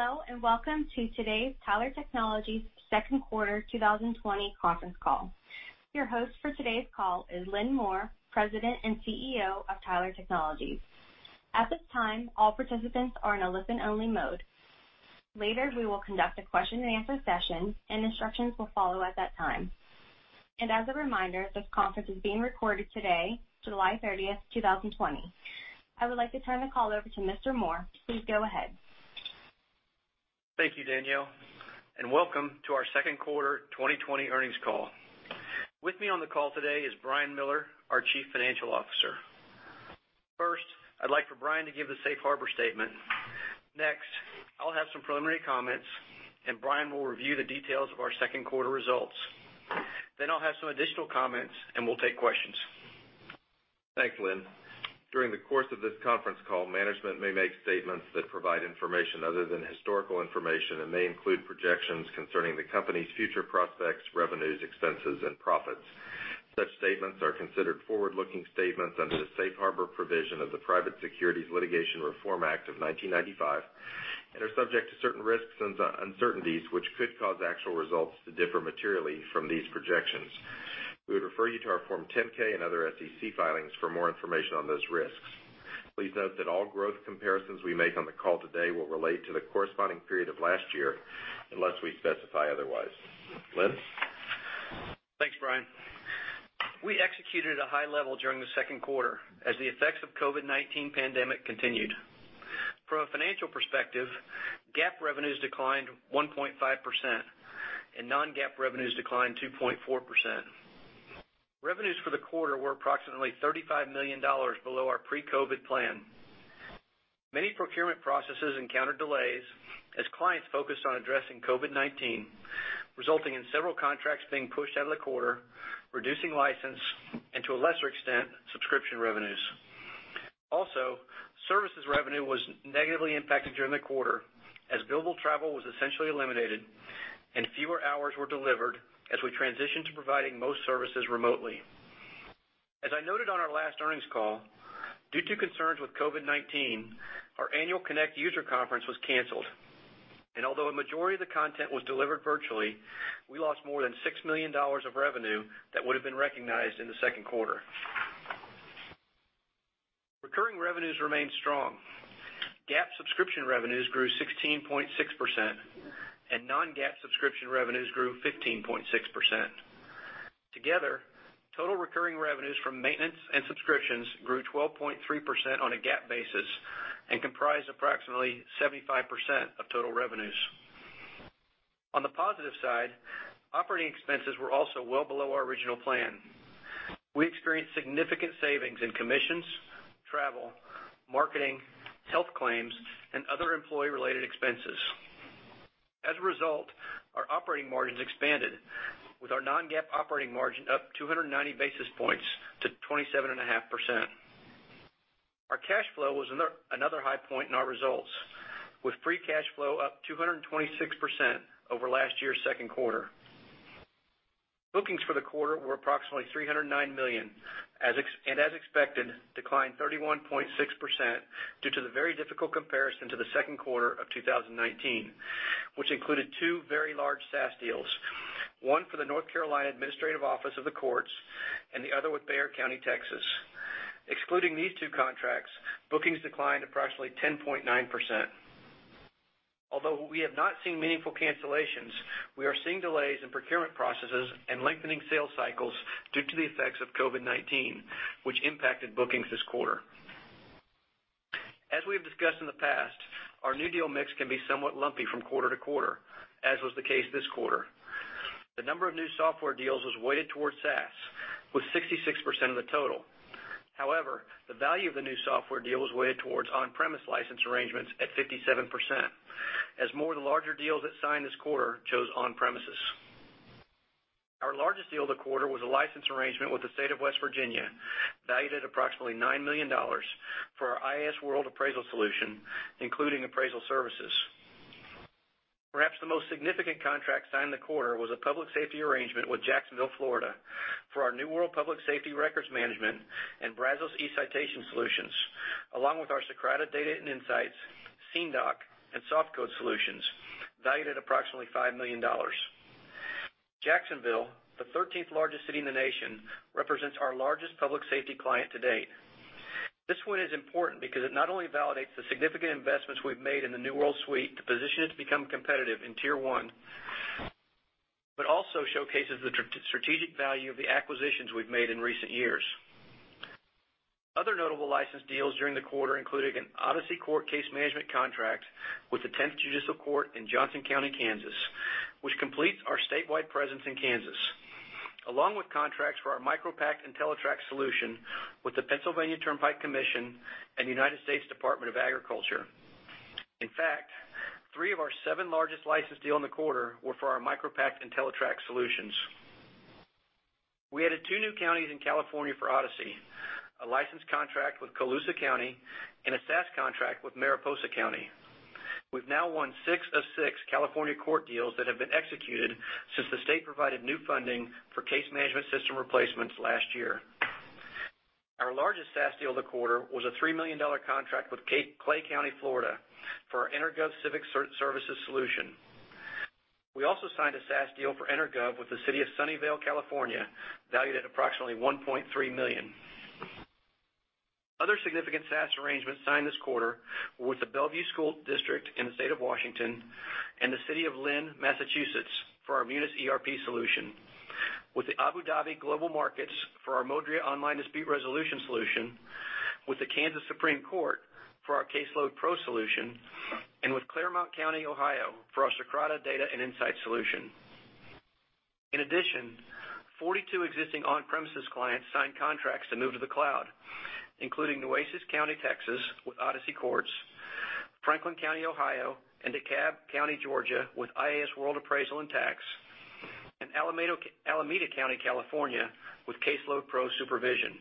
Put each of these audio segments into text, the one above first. Hello, and welcome to today's Tyler Technologies second quarter 2020 conference call. Your host for today's call is Lynn Moore, President and CEO of Tyler Technologies. At this time, all participants are in a listen-only mode. Later, we will conduct a question-and-answer session, and instructions will follow at that time. As a reminder, this conference is being recorded today, July 30th, 2020. I would like to turn the call over to Mr. Moore. Please go ahead. Thank you, Danielle, welcome to our second quarter 2020 earnings call. With me on the call today is Brian Miller, our Chief Financial Officer. First, I'd like for Brian to give the safe harbor statement. I'll have some preliminary comments, and Brian will review the details of our second quarter results. I'll have some additional comments, and we'll take questions. Thanks, Lynn. During the course of this conference call, management may make statements that provide information other than historical information and may include projections concerning the company's future prospects, revenues, expenses, and profits. Such statements are considered forward-looking statements under the safe harbor provision of the Private Securities Litigation Reform Act of 1995 and are subject to certain risks and uncertainties which could cause actual results to differ materially from these projections. We would refer you to our Form 10-K and other SEC filings for more information on those risks. Please note that all growth comparisons we make on the call today will relate to the corresponding period of last year unless we specify otherwise. Lynn? Thanks, Brian. We executed at a high level during the second quarter as the effects of COVID-19 pandemic continued. From a financial perspective, GAAP revenues declined 1.5%, and non-GAAP revenues declined 2.4%. Revenues for the quarter were approximately $35 million below our pre-COVID plan. Many procurement processes encountered delays as clients focused on addressing COVID-19, resulting in several contracts being pushed out of the quarter, reducing license, and to a lesser extent, subscription revenues. Services revenue was negatively impacted during the quarter as billable travel was essentially eliminated and fewer hours were delivered as we transitioned to providing most services remotely. As I noted on our last earnings call, due to concerns with COVID-19, our annual Connect user conference was canceled, and although a majority of the content was delivered virtually, we lost more than $6 million of revenue that would've been recognized in the second quarter. Recurring revenues remained strong. GAAP subscription revenues grew 16.6%, and non-GAAP subscription revenues grew 15.6%. Together, total recurring revenues from maintenance and subscriptions grew 12.3% on a GAAP basis and comprised approximately 75% of total revenues. On the positive side, operating expenses were also well below our original plan. We experienced significant savings in commissions, travel, marketing, health claims, and other employee-related expenses. As a result, our operating margins expanded with our non-GAAP operating margin up 290 basis points to 27.5%. Our cash flow was another high point in our results, with free cash flow up 226% over last year's second quarter. Bookings for the quarter were approximately $309 million, and as expected, declined 31.6% due to the very difficult comparison to the second quarter of 2019, which included two very large SaaS deals, one for the North Carolina Administrative Office of the Courts and the other with Bexar County, Texas. Excluding these two contracts, bookings declined approximately 10.9%. Although we have not seen meaningful cancellations, we are seeing delays in procurement processes and lengthening sales cycles due to the effects of COVID-19, which impacted bookings this quarter. As we have discussed in the past, our new deal mix can be somewhat lumpy from quarter to quarter, as was the case this quarter. The number of new software deals was weighted towards SaaS, with 66% of the total. However, the value of the new software deal was weighted towards on-premise license arrangements at 57%, as more of the larger deals that signed this quarter chose on-premises. Our largest deal of the quarter was a license arrangement with the State of West Virginia, valued at approximately $9 million for our iasWorld Appraisal Solution, including appraisal services. Perhaps the most significant contract signed the quarter was a public safety arrangement with Jacksonville, Florida, for our New World Public Safety Records Management and Brazos eCitation solutions, along with our Socrata Data and Insights, SceneDoc, and SoftCode solutions, valued at approximately $5 million. Jacksonville, the 13th largest city in the nation, represents our largest public safety client to date. This win is important because it not only validates the significant investments we've made in the New World suite to position it to become competitive in tier 1, but also showcases the strategic value of the acquisitions we've made in recent years. Other notable license deals during the quarter included an Odyssey Court Case Management contract with the 10th Judicial District in Johnson County, Kansas, which completes our statewide presence in Kansas, along with contracts for our MicroPact entellitrak solution with the Pennsylvania Turnpike Commission and the United States Department of Agriculture. Three of our seven largest license deals in the quarter were for our MicroPact entellitrak solutions. We added two new counties in California for Odyssey, a license contract with Colusa County, and a SaaS contract with Mariposa County. We've now won six of six California court deals that have been executed since the state provided new funding for case management system replacements last year. Our largest SaaS deal of the quarter was a $3 million contract with Clay County, Florida, for our EnerGov Civic Services solution. We also signed a SaaS deal for EnerGov with the City of Sunnyvale, California, valued at approximately $1.3 million. Other significant SaaS arrangements signed this quarter were with the Bellevue School District in the State of Washington and the City of Lynn, Massachusetts, for our Munis ERP solution, with the Abu Dhabi Global Market for our Modria online dispute resolution solution, with the Kansas Supreme Court for our CaseloadPRO solution, and with Clermont County, Ohio, for our Socrata data and insight solution. In addition, 42 existing on-premises clients signed contracts to move to the cloud, including Nueces County, Texas, with Odyssey Courts, Franklin County, Ohio, and DeKalb County, Georgia, with iasWorld Appraisal and Tax, and Alameda County, California, with CaseloadPRO Supervision.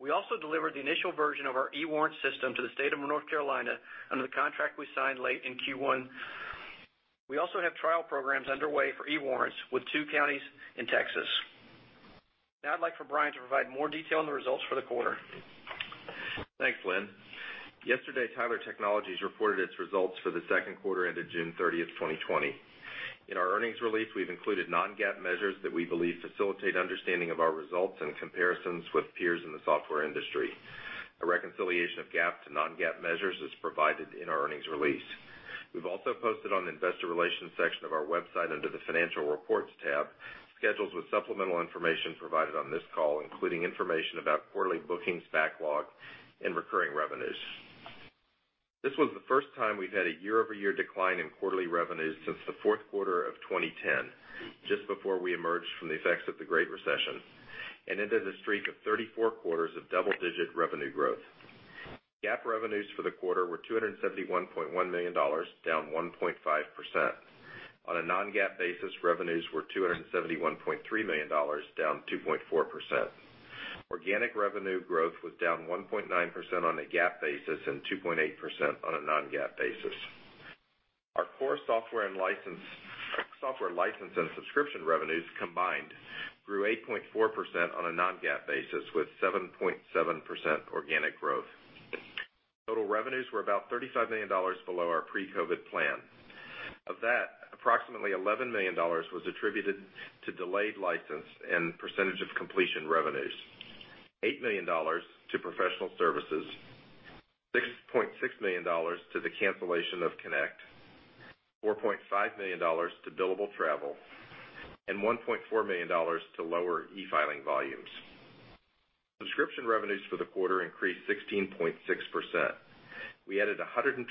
We also delivered the initial version of our eWarrant system to the State of North Carolina under the contract we signed late in Q1. We also have trial programs underway for eWarrants with two counties in Texas. I'd like for Brian to provide more detail on the results for the quarter. Thanks, Lynn. Yesterday, Tyler Technologies reported its results for the second quarter ended June 30, 2020. In our earnings release, we've included non-GAAP measures that we believe facilitate understanding of our results and comparisons with peers in the software industry. A reconciliation of GAAP to non-GAAP measures is provided in our earnings release. We've also posted on the investor relations section of our website under the financial reports tab, schedules with supplemental information provided on this call, including information about quarterly bookings backlog and recurring revenues. This was the first time we've had a year-over-year decline in quarterly revenues since the fourth quarter of 2010, just before we emerged from the effects of the Great Recession, and ended a streak of 34 quarters of double-digit revenue growth. GAAP revenues for the quarter were $271.1 million, down 1.5%. On a non-GAAP basis, revenues were $271.3 million, down 2.4%. Organic revenue growth was down 1.9% on a GAAP basis and 2.8% on a non-GAAP basis. Our core software license and subscription revenues combined grew 8.4% on a non-GAAP basis, with 7.7% organic growth. Total revenues were about $35 million below our pre-COVID plan. Of that, approximately $11 million was attributed to delayed license and percentage of completion revenues, $8 million to professional services, $6.6 million to the cancellation of Connect, $4.5 million to billable travel, and $1.4 million to lower e-filing volumes. Subscription revenues for the quarter increased 16.6%. We added 125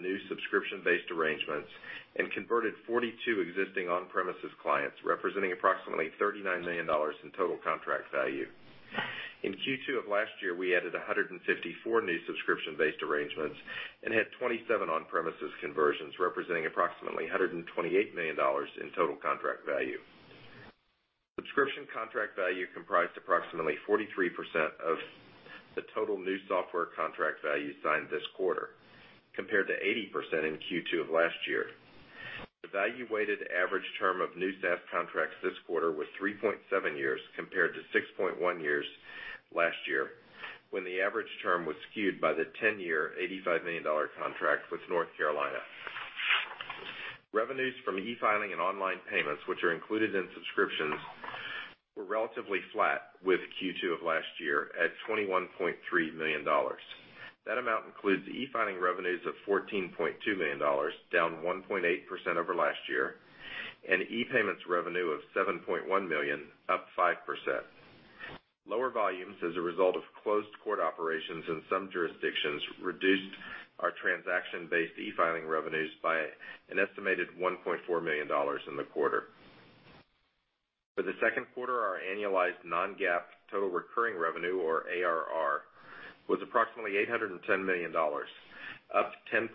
new subscription-based arrangements and converted 42 existing on-premises clients, representing approximately $39 million in total contract value. In Q2 of last year, we added 154 new subscription-based arrangements and had 27 on-premises conversions, representing approximately $128 million in total contract value. Subscription contract value comprised approximately 43% of the total new software contract value signed this quarter, compared to 80% in Q2 of last year. The value weighted average term of new SaaS contracts this quarter was 3.7 years, compared to 6.1 years last year, when the average term was skewed by the 10-year, $85 million contract with North Carolina. Revenues from e-filing and online payments, which are included in subscriptions, were relatively flat with Q2 of last year at $21.3 million. That amount includes e-filing revenues of $14.2 million, down 1.8% over last year, and e-payments revenue of $7.1 million, up 5%. Lower volumes as a result of closed court operations in some jurisdictions reduced our transaction-based e-filing revenues by an estimated $1.4 million in the quarter. For the second quarter, our annualized non-GAAP total recurring revenue, or ARR, was approximately $810 million, up 10.7%.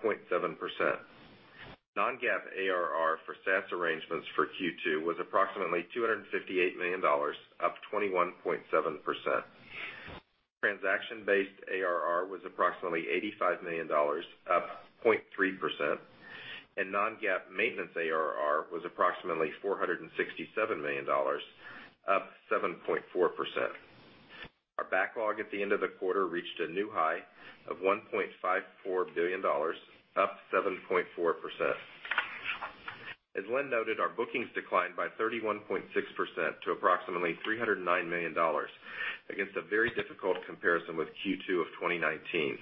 Non-GAAP ARR for SaaS arrangements for Q2 was approximately $258 million, up 21.7%. Transaction-based ARR was approximately $85 million, up 0.3%, and non-GAAP maintenance ARR was approximately $467 million, up 7.4%. Our backlog at the end of the quarter reached a new high of $1.54 billion, up 7.4%. As Lynn noted, our bookings declined by 31.6% to approximately $309 million against a very difficult comparison with Q2 of 2019.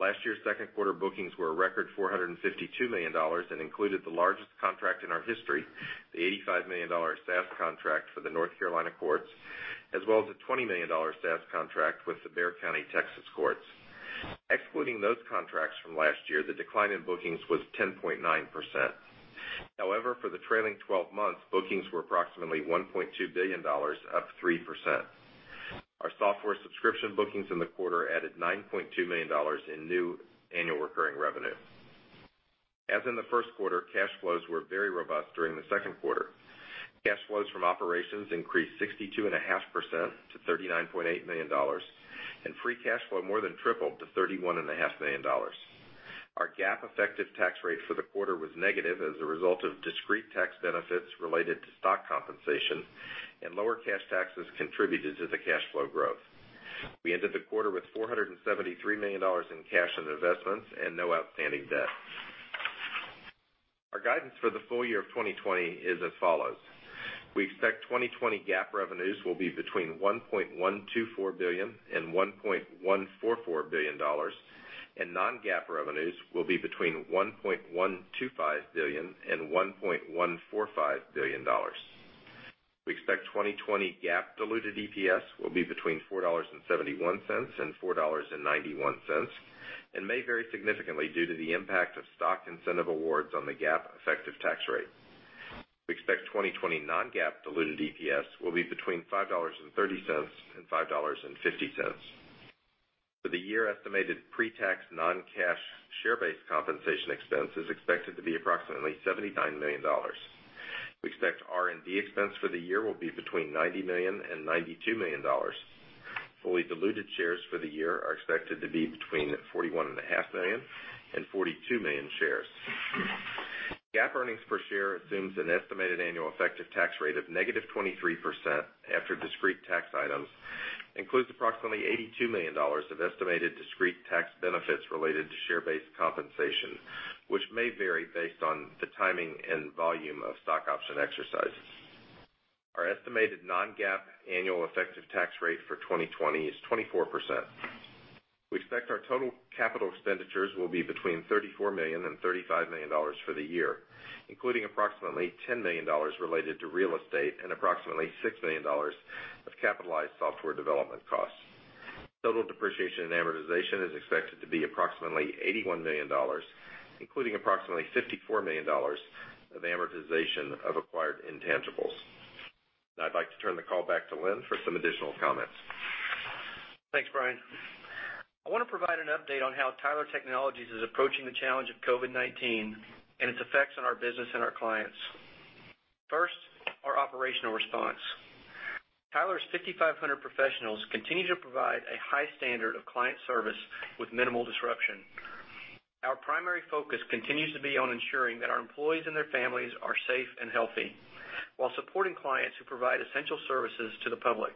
Last year's second quarter bookings were a record $452 million and included the largest contract in our history, the $85 million SaaS contract for the North Carolina Courts, as well as a $20 million SaaS contract with the Bexar County, Texas Courts. Excluding those contracts from last year, the decline in bookings was 10.9%. However, for the trailing 12 months, bookings were approximately $1.2 billion, up 3%. Our software subscription bookings in the quarter added $9.2 million in new annual recurring revenue. As in the first quarter, cash flows were very robust during the second quarter. Cash flows from operations increased 62.5% to $39.8 million, and free cash flow more than tripled to $31.5 million. Our GAAP effective tax rate for the quarter was negative as a result of discrete tax benefits related to stock compensation and lower cash taxes contributed to the cash flow growth. We ended the quarter with $473 million in cash and investments and no outstanding debt. Our guidance for the full-year of 2020 is as follows. We expect 2020 GAAP revenues will be between $1.124 billion and $1.144 billion, and non-GAAP revenues will be between $1.125 billion and $1.145 billion. We expect 2020 GAAP diluted EPS will be between $4.71 and $4.91, and may vary significantly due to the impact of stock incentive awards on the GAAP effective tax rate. We expect 2020 non-GAAP diluted EPS will be between $5.30 and $5.50. For the year, estimated pre-tax non-cash share-based compensation expense is expected to be approximately $79 million. We expect R&D expense for the year will be between $90 million and $92 million. Fully diluted shares for the year are expected to be between 41.5 million and 42 million shares. GAAP earnings per share assumes an estimated annual effective tax rate of -23% after discrete tax items, includes approximately $82 million of estimated discrete tax benefits related to share-based compensation, which may vary based on the timing and volume of stock option exercises. Our estimated non-GAAP annual effective tax rate for 2020 is 24%. We expect our total capital expenditures will be between $34 million and $35 million for the year, including approximately $10 million related to real estate and approximately $6 million of capitalized software development costs. Total depreciation and amortization is expected to be approximately $81 million, including approximately $54 million of amortization of acquired intangibles. Now I'd like to turn the call back to Lynn for some additional comments. Thanks, Brian. I want to provide an update on how Tyler Technologies is approaching the challenge of COVID-19 and its effects on our business and our clients. First, our operational response. Tyler's 5,500 professionals continue to provide a high standard of client service with minimal disruption. Our primary focus continues to be on ensuring that our employees and their families are safe and healthy while supporting clients who provide essential services to the public.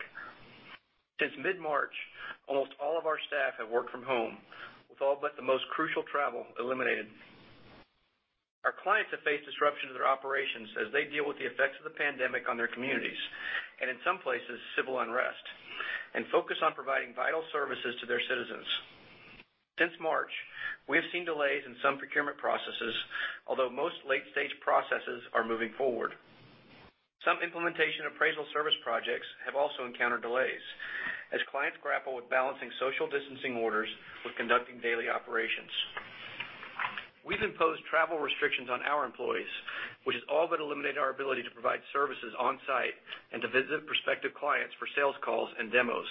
Since mid-March, almost all of our staff have worked from home, with all but the most crucial travel eliminated. Our clients have faced disruption to their operations as they deal with the effects of the pandemic on their communities, and in some places, civil unrest, and focus on providing vital services to their citizens. Since March, we have seen delays in some procurement processes, although most late-stage processes are moving forward. Some implementation appraisal service projects have also encountered delays as clients grapple with balancing social distancing orders with conducting daily operations. We've imposed travel restrictions on our employees, which has all but eliminated our ability to provide services on-site and to visit prospective clients for sales calls and demos.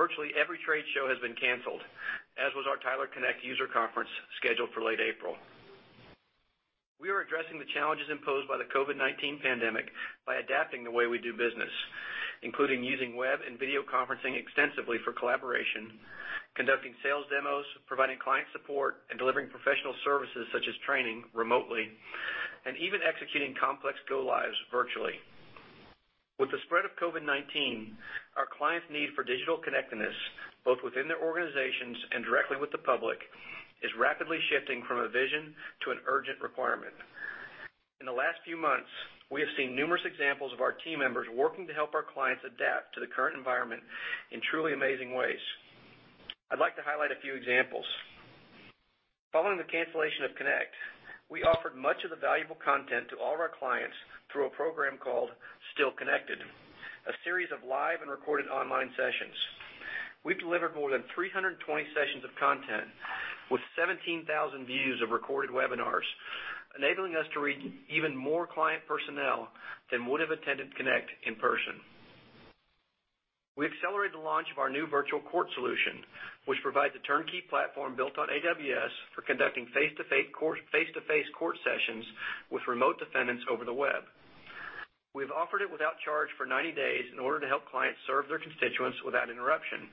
Virtually every trade show has been canceled, as was our Tyler Connect user conference scheduled for late April. We are addressing the challenges imposed by the COVID-19 pandemic by adapting the way we do business, including using web and video conferencing extensively for collaboration, conducting sales demos, providing client support, and delivering professional services such as training remotely, and even executing complex go-lives virtually. With the spread of COVID-19, our clients' need for digital connectedness, both within their organizations and directly with the public, is rapidly shifting from a vision to an urgent requirement. In the last few months, we have seen numerous examples of our team members working to help our clients adapt to the current environment in truly amazing ways. I'd like to highlight a few examples. Following the cancellation of Connect, we offered much of the valuable content to all of our clients through a program called Still Connected, a series of live and recorded online sessions. We've delivered more than 320 sessions of content with 17,000 views of recorded webinars, enabling us to reach even more client personnel than would have attended Connect in person. We accelerated the launch of our new Virtual Court solution, which provides a turnkey platform built on AWS for conducting face-to-face court sessions with remote defendants over the web. We've offered it without charge for 90 days in order to help clients serve their constituents without interruption.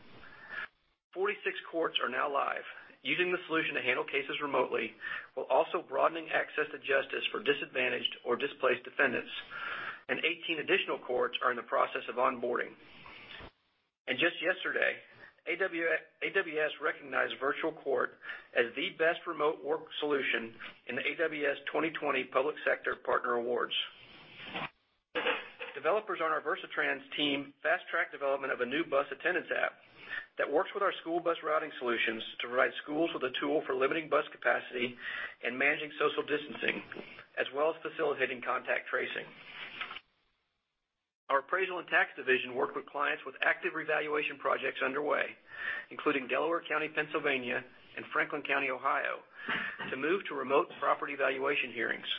46 courts are now live, using the solution to handle cases remotely, while also broadening access to justice for disadvantaged or displaced defendants, and 18 additional courts are in the process of onboarding. Just yesterday, AWS recognized Virtual Court as the best remote work solution in the AWS 2020 Public Sector Partner Awards. Developers on our Versatrans team fast-tracked development of a new bus attendance app that works with our school bus routing solutions to provide schools with a tool for limiting bus capacity and managing social distancing, as well as facilitating contact tracing. Our appraisal and tax division worked with clients with active revaluation projects underway, including Delaware County, Pennsylvania, and Franklin County, Ohio, to move to remote property valuation hearings.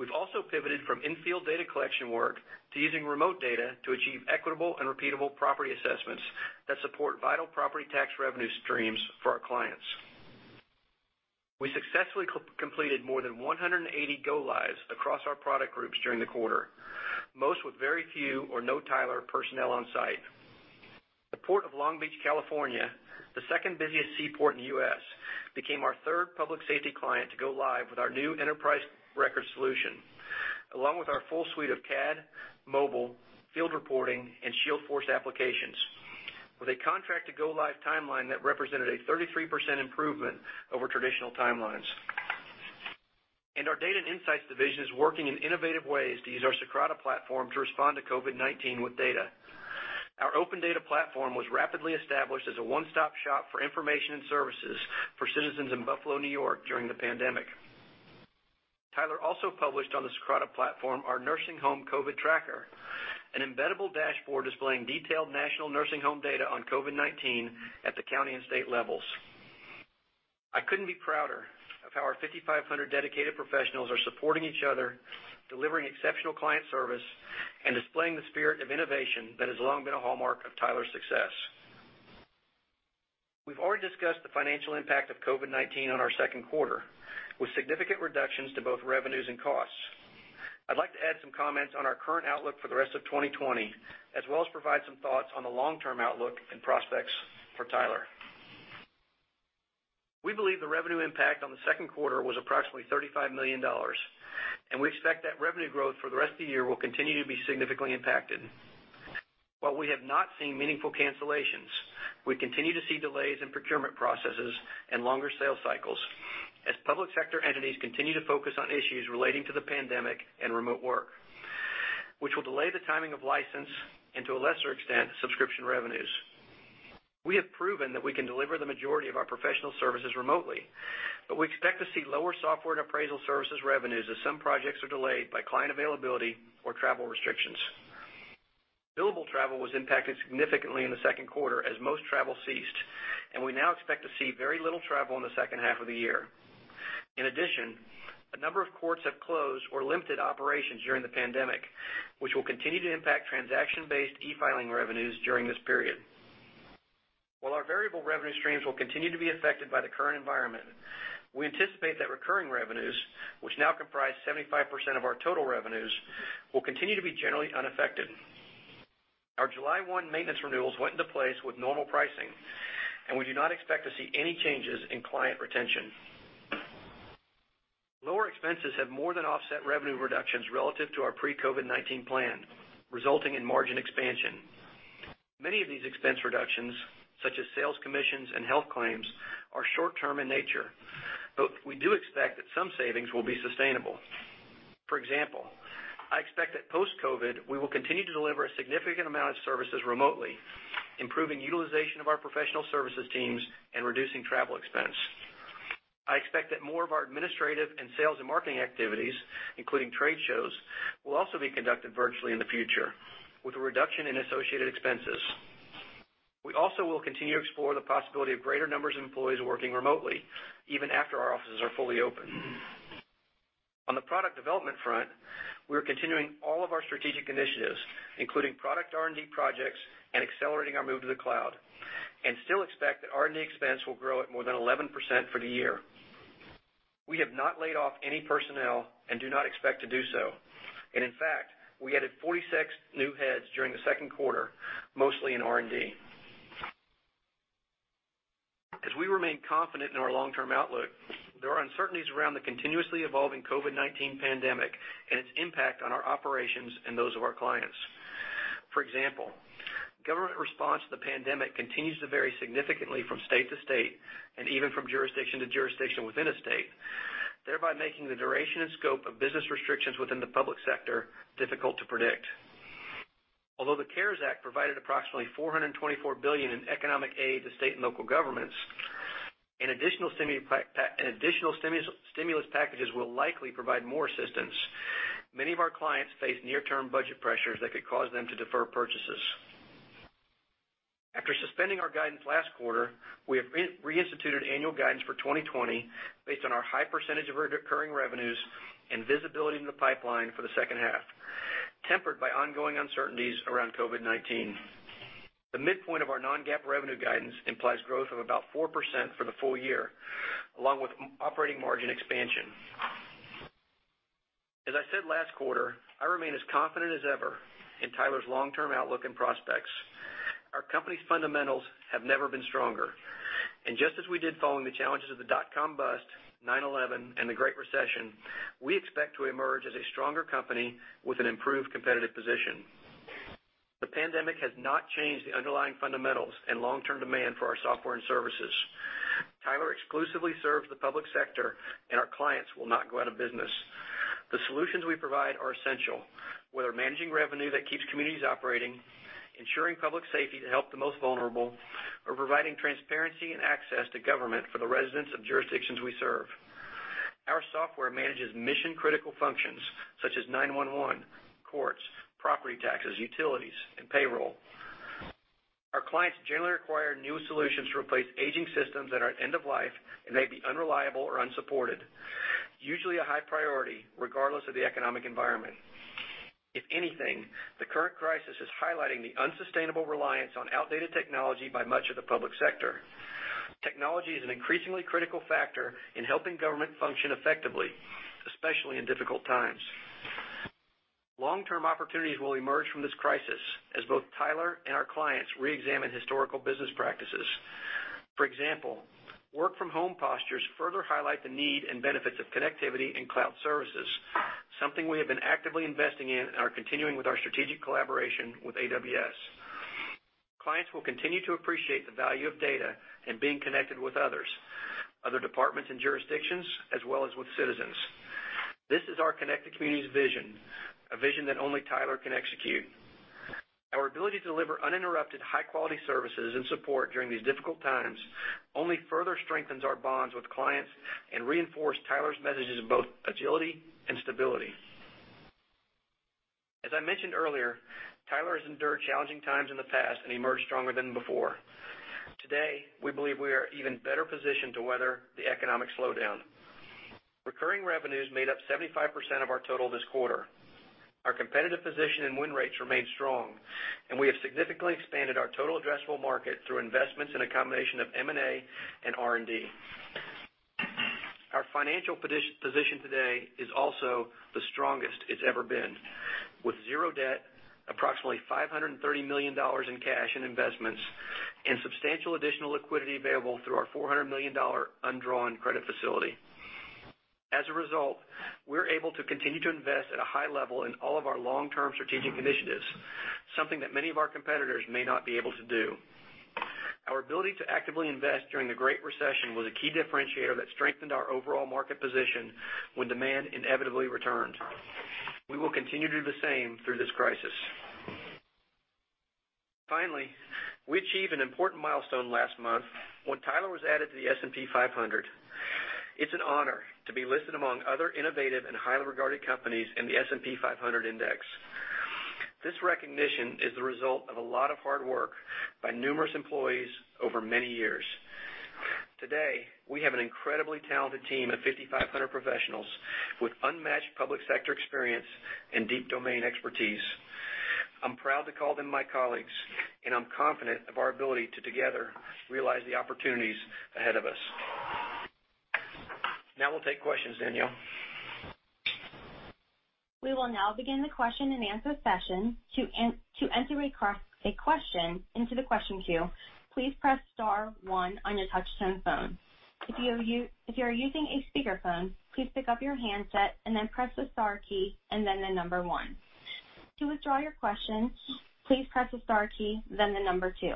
We've also pivoted from in-field data collection work to using remote data to achieve equitable and repeatable property assessments that support vital property tax revenue streams for our clients. We successfully completed more than 180 go-lives across our product groups during the quarter, most with very few or no Tyler personnel on-site. The Port of Long Beach, California, the second busiest seaport in the U.S., became our third public safety client to go live with our new Enterprise Records solution, along with our full suite of CAD, mobile, field reporting, and ShieldForce applications, with a contract-to-go live timeline that represented a 33% improvement over traditional timelines. Our data and insights division is working in innovative ways to use our Socrata platform to respond to COVID-19 with data. Our open data platform was rapidly established as a one-stop shop for information and services for citizens in Buffalo, New York during the pandemic. Tyler also published on the Socrata platform our nursing home COVID tracker, an embeddable dashboard displaying detailed national nursing home data on COVID-19 at the county and state levels. I couldn't be prouder of how our 5,500 dedicated professionals are supporting each other, delivering exceptional client service, and displaying the spirit of innovation that has long been a hallmark of Tyler's success. We've already discussed the financial impact of COVID-19 on our second quarter, with significant reductions to both revenues and costs. I'd like to add some comments on our current outlook for the rest of 2020, as well as provide some thoughts on the long-term outlook and prospects for Tyler. We believe the revenue impact on the second quarter was approximately $35 million, and we expect that revenue growth for the rest of the year will continue to be significantly impacted. While we have not seen meaningful cancellations, we continue to see delays in procurement processes and longer sales cycles as public sector entities continue to focus on issues relating to the pandemic and remote work, which will delay the timing of license and, to a lesser extent, subscription revenues. We have proven that we can deliver the majority of our professional services remotely, but we expect to see lower software and appraisal services revenues as some projects are delayed by client availability or travel restrictions. Billable travel was impacted significantly in the second quarter as most travel ceased, and we now expect to see very little travel in the second half of the year. In addition, a number of courts have closed or limited operations during the pandemic, which will continue to impact transaction-based e-filing revenues during this period. While our variable revenue streams will continue to be affected by the current environment, we anticipate that recurring revenues, which now comprise 75% of our total revenues, will continue to be generally unaffected. Our July 1 maintenance renewals went into place with normal pricing, and we do not expect to see any changes in client retention. Lower expenses have more than offset revenue reductions relative to our pre-COVID-19 plan, resulting in margin expansion. Many of these expense reductions, such as sales commissions and health claims, are short-term in nature, but we do expect that some savings will be sustainable. For example, I expect that post-COVID, we will continue to deliver a significant amount of services remotely, improving utilization of our professional services teams and reducing travel expense. I expect that more of our administrative and sales and marketing activities, including trade shows, will also be conducted virtually in the future with a reduction in associated expenses. We also will continue to explore the possibility of greater numbers of employees working remotely even after our offices are fully open. On the product development front, we are continuing all of our strategic initiatives, including product R&D projects and accelerating our move to the cloud, and still expect that R&D expense will grow at more than 11% for the year. We have not laid off any personnel and do not expect to do so. In fact, we added 46 new heads during the second quarter, mostly in R&D. As we remain confident in our long-term outlook, there are uncertainties around the continuously evolving COVID-19 pandemic and its impact on our operations and those of our clients. For example, government response to the pandemic continues to vary significantly from state to state and even from jurisdiction to jurisdiction within a state, thereby making the duration and scope of business restrictions within the public sector difficult to predict. Although the CARES Act provided approximately $424 billion in economic aid to state and local governments, and additional stimulus packages will likely provide more assistance, many of our clients face near-term budget pressures that could cause them to defer purchases. After suspending our guidance last quarter, we have reinstituted annual guidance for 2020 based on our high percentage of recurring revenues and visibility in the pipeline for the second half, tempered by ongoing uncertainties around COVID-19. The midpoint of our non-GAAP revenue guidance implies growth of about 4% for the full-year, along with operating margin expansion. As I said last quarter, I remain as confident as ever in Tyler's long-term outlook and prospects. Our company's fundamentals have never been stronger. Just as we did following the challenges of the dot-com bust, 9/11, and the Great Recession, we expect to emerge as a stronger company with an improved competitive position. The pandemic has not changed the underlying fundamentals and long-term demand for our software and services. Tyler exclusively serves the public sector, and our clients will not go out of business. The solutions we provide are essential, whether managing revenue that keeps communities operating, ensuring public safety to help the most vulnerable, or providing transparency and access to government for the residents of jurisdictions we serve. Our software manages mission-critical functions such as 911, courts, property taxes, utilities, and payroll. Our clients generally require new solutions to replace aging systems that are at end of life and may be unreliable or unsupported, usually a high priority regardless of the economic environment. If anything, the current crisis is highlighting the unsustainable reliance on outdated technology by much of the public sector. Technology is an increasingly critical factor in helping government function effectively, especially in difficult times. Long-term opportunities will emerge from this crisis, as both Tyler and our clients reexamine historical business practices. For example, work from home postures further highlight the need and benefits of connectivity and cloud services, something we have been actively investing in and are continuing with our strategic collaboration with AWS. Clients will continue to appreciate the value of data and being connected with others, other departments and jurisdictions, as well as with citizens. This is our Connected Communities Vision, a vision that only Tyler can execute. Our ability to deliver uninterrupted high-quality services and support during these difficult times only further strengthens our bonds with clients and reinforce Tyler's messages of both agility and stability. As I mentioned earlier, Tyler has endured challenging times in the past and emerged stronger than before. Today, we believe we are even better positioned to weather the economic slowdown. Recurring revenues made up 75% of our total this quarter. Our competitive position and win rates remain strong, and we have significantly expanded our total addressable market through investments in a combination of M&A and R&D. Our financial position today is also the strongest it's ever been. With zero debt, approximately $530 million in cash and investments, and substantial additional liquidity available through our $400 million undrawn credit facility. As a result, we're able to continue to invest at a high level in all of our long-term strategic initiatives, something that many of our competitors may not be able to do. Our ability to actively invest during the Great Recession was a key differentiator that strengthened our overall market position when demand inevitably returned. We will continue to do the same through this crisis. Finally, we achieved an important milestone last month when Tyler was added to the S&P 500. It's an honor to be listed among other innovative and highly regarded companies in the S&P 500 index. This recognition is the result of a lot of hard work by numerous employees over many years. Today, we have an incredibly talented team of 5,500 professionals with unmatched public sector experience and deep domain expertise. I'm proud to call them my colleagues, and I'm confident of our ability to together realize the opportunities ahead of us. Now we'll take questions, Danielle. We will now begin the question-and-answer session. To enter a question into the question queue, please press star one on your touch-tone phone. If you are using a speakerphone, please pick up your handset and then press the star key and then the number one. To withdraw your question, please press the star key, then the number two.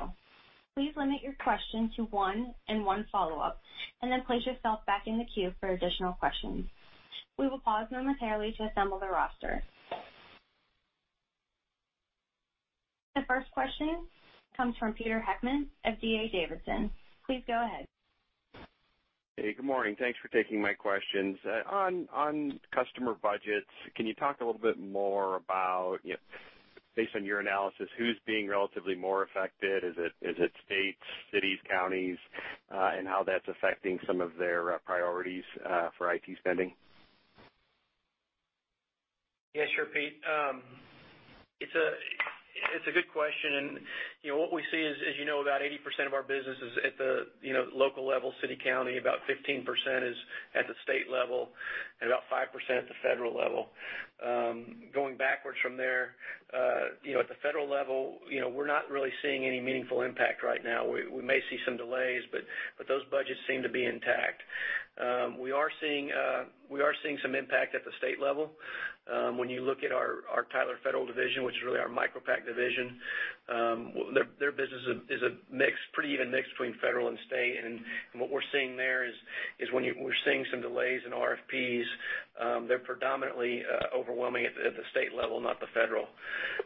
Please limit your question to one and one follow-up, and then place yourself back in the queue for additional questions. We will pause momentarily to assemble the roster. The first question comes from Peter Heckmann of D.A. Davidson. Please go ahead. Hey, good morning. Thanks for taking my questions. On customer budgets, can you talk a little bit more about, based on your analysis, who's being relatively more affected? Is it states, cities, counties? How that's affecting some of their priorities for IT spending. Yeah, sure, Pete. It's a good question. What we see is, as you know, about 80% of our business is at the local level, city, county. About 15% is at the state level, about 5% at the federal level. Going backwards from there, at the federal level, we're not really seeing any meaningful impact right now. We may see some delays, those budgets seem to be intact. We are seeing some impact at the state level. When you look at our Tyler Federal division, which is really our MicroPact division, their business is a pretty even mix between federal and state. What we're seeing there is we're seeing some delays in RFPs. They're predominantly overwhelming at the state level, not the federal.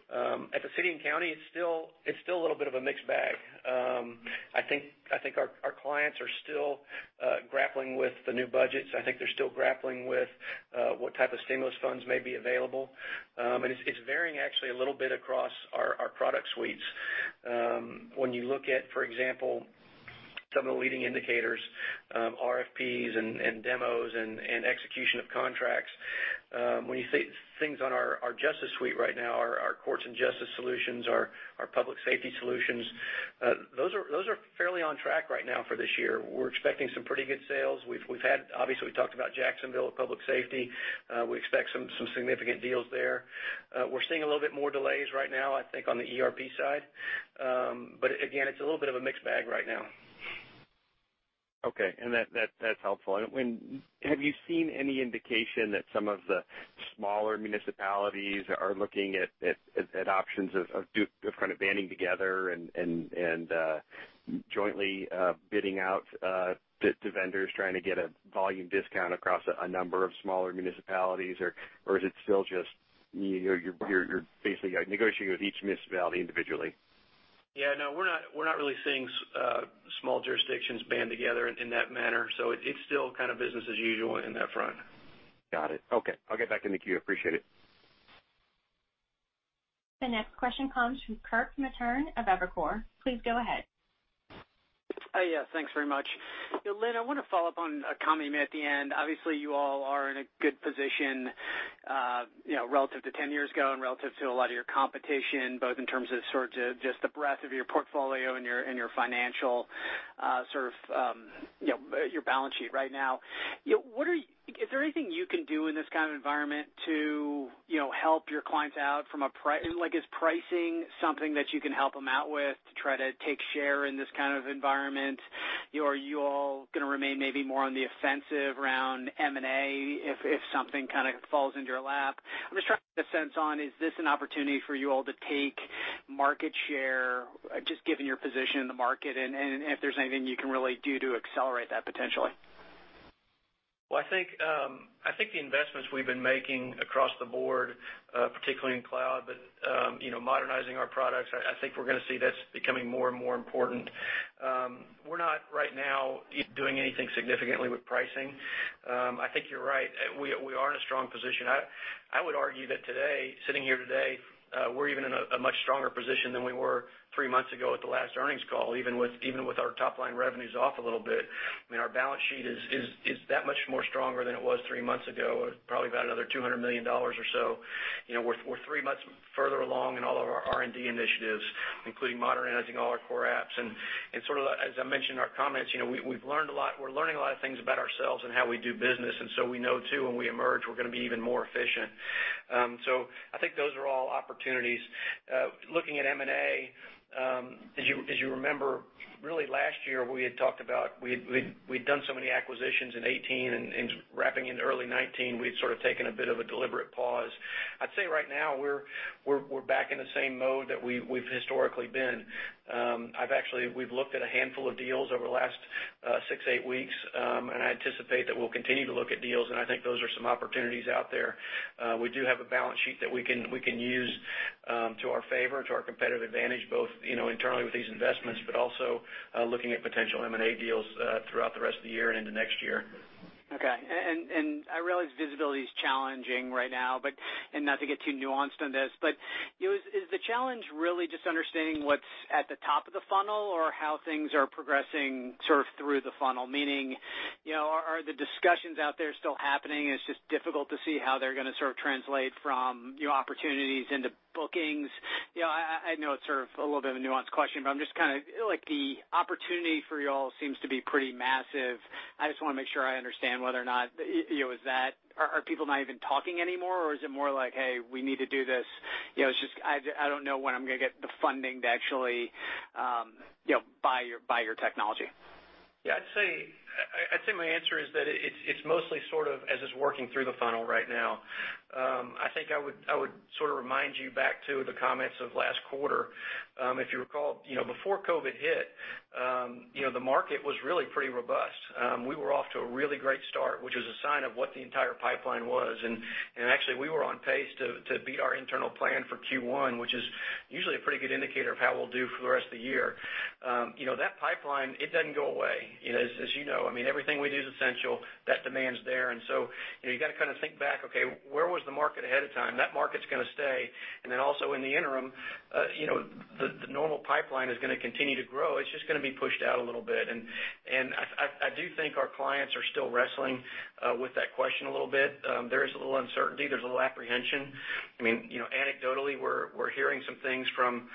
At the city and county, it's still a little bit of a mixed bag. I think our clients are still grappling with the new budgets. I think they're still grappling with what type of stimulus funds may be available. It's varying actually a little bit across our product suites. When you look at, for example, some of the leading indicators, RFPs and demos and execution of contracts. When you see things on our justice suite right now, our courts and justice solutions, our public safety solutions, those are fairly on track right now for this year. We're expecting some pretty good sales. We've had, obviously, we talked about Jacksonville Public Safety. We expect some significant deals there. We're seeing a little bit more delays right now, I think, on the ERP side. Again, it's a little bit of a mixed bag right now. Okay, that's helpful. Have you seen any indication that some of the smaller municipalities are looking at options of kind of banding together and jointly bidding out to vendors, trying to get a volume discount across a number of smaller municipalities? Is it still just you're basically negotiating with each municipality individually? Yeah, no, we're not really seeing small jurisdictions band together in that manner. It's still kind of business as usual on that front. Got it. Okay. I'll get back in the queue. Appreciate it. The next question comes from Kirk Materne of Evercore. Please go ahead. Yeah, thanks very much. Lynn, I want to follow up on a comment you made at the end. Obviously, you all are in a good position relative to 10 years ago and relative to a lot of your competition, both in terms of sort of just the breadth of your portfolio and your financial sort of your balance sheet right now. Is there anything you can do in this kind of environment to help your clients out from a pricing something that you can help them out with to try to take share in this kind of environment? Are you all going to remain maybe more on the offensive around M&A if something falls into your lap? I'm just trying to get a sense on, is this an opportunity for you all to take market share, just given your position in the market, and if there's anything you can really do to accelerate that potentially? Well, I think the investments we've been making across the board, particularly in cloud, but modernizing our products, I think we're going to see that's becoming more and more important. We're not right now doing anything significantly with pricing. I think you're right. We are in a strong position. I would argue that sitting here today, we're even in a much stronger position than we were three months ago at the last earnings call, even with our top-line revenues off a little bit. Our balance sheet is that much more stronger than it was three months ago, probably about another $200 million or so. We're three months further along in all of our R&D initiatives, including modernizing all our core apps. As I mentioned in our comments, we're learning a lot of things about ourselves and how we do business. We know, too, when we emerge, we're going to be even more efficient. I think those are all opportunities. Looking at M&A, as you remember, really last year, we had talked about, we'd done so many acquisitions in 2018, and wrapping into early 2019, we'd taken a bit of a deliberate pause. I'd say right now we're back in the same mode that we've historically been. We've looked at a handful of deals over the last six, eight weeks, and I anticipate that we'll continue to look at deals, and I think those are some opportunities out there. We do have a balance sheet that we can use to our favor, to our competitive advantage, both internally with these investments, but also looking at potential M&A deals throughout the rest of the year and into next year. Okay. I realize visibility's challenging right now, not to get too nuanced on this, but is the challenge really just understanding what's at the top of the funnel or how things are progressing through the funnel? Meaning, are the discussions out there still happening, and it's just difficult to see how they're going to translate from new opportunities into bookings? I know it's a little bit of a nuanced question, but the opportunity for you all seems to be pretty massive. I just want to make sure I understand whether or not, are people not even talking anymore, or is it more like, "Hey, we need to do this. I don't know when I'm going to get the funding to actually buy your technology"? Yeah. I'd say my answer is that it's mostly as it's working through the funnel right now. I think I would remind you back to the comments of last quarter. If you recall, before COVID hit, the market was really pretty robust. We were off to a really great start, which was a sign of what the entire pipeline was. Actually, we were on pace to beat our internal plan for Q1, which is usually a pretty good indicator of how we'll do for the rest of the year. That pipeline, it doesn't go away. As you know, everything we do is essential. That demand's there. You've got to think back, okay, where was the market ahead of time? That market's going to stay. Also in the interim, the normal pipeline is going to continue to grow. It's just going to be pushed out a little bit. I do think our clients are still wrestling with that question a little bit. There is a little uncertainty. There's a little apprehension. Anecdotally, we're hearing some things from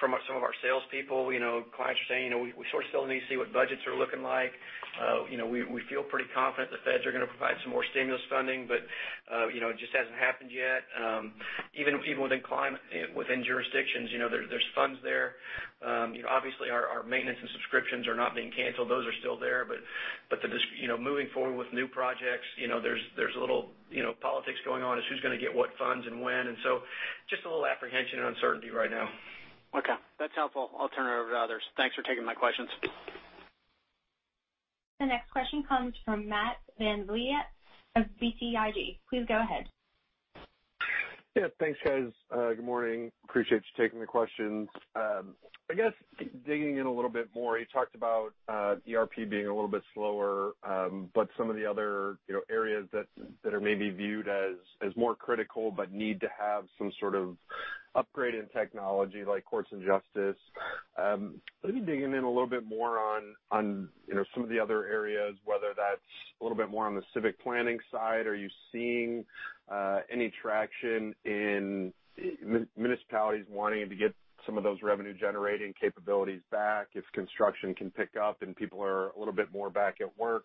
some of our salespeople. Clients are saying, "We still need to see what budgets are looking like." We feel pretty confident the feds are going to provide some more stimulus funding, but it just hasn't happened yet. Even within jurisdictions, there's funds there. Obviously, our maintenance and subscriptions are not being canceled. Those are still there. Moving forward with new projects, there's a little politics going on is who's going to get what funds and when. Just a little apprehension and uncertainty right now. Okay. That's helpful. I'll turn it over to others. Thanks for taking my questions. The next question comes from Matt VanVliet of BTIG. Please go ahead. Yeah. Thanks, guys. Good morning. Appreciate you taking the questions. I guess digging in a little bit more, you talked about ERP being a little bit slower, but some of the other areas that are maybe viewed as more critical but need to have some sort of upgrade in technology like courts and justice. Maybe digging in a little bit more on some of the other areas, whether that's a little bit more on the civic planning side. Are you seeing any traction in municipalities wanting to get some of those revenue-generating capabilities back if construction can pick up and people are a little bit more back at work?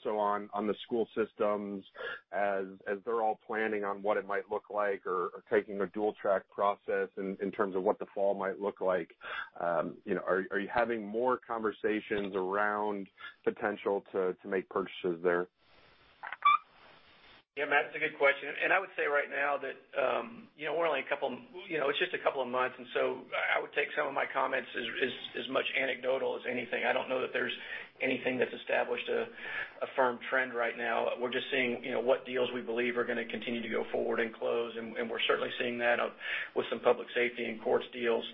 Also on the school systems, as they're all planning on what it might look like or taking a dual-track process in terms of what the fall might look like, are you having more conversations around potential to make purchases there? Yeah, Matt, that's a good question. I would say right now that it's just a couple of months, I would take some of my comments as much anecdotal as anything. I don't know that there's anything that's established a firm trend right now. We're just seeing what deals we believe are going to continue to go forward and close, we're certainly seeing that with some public safety and courts deals.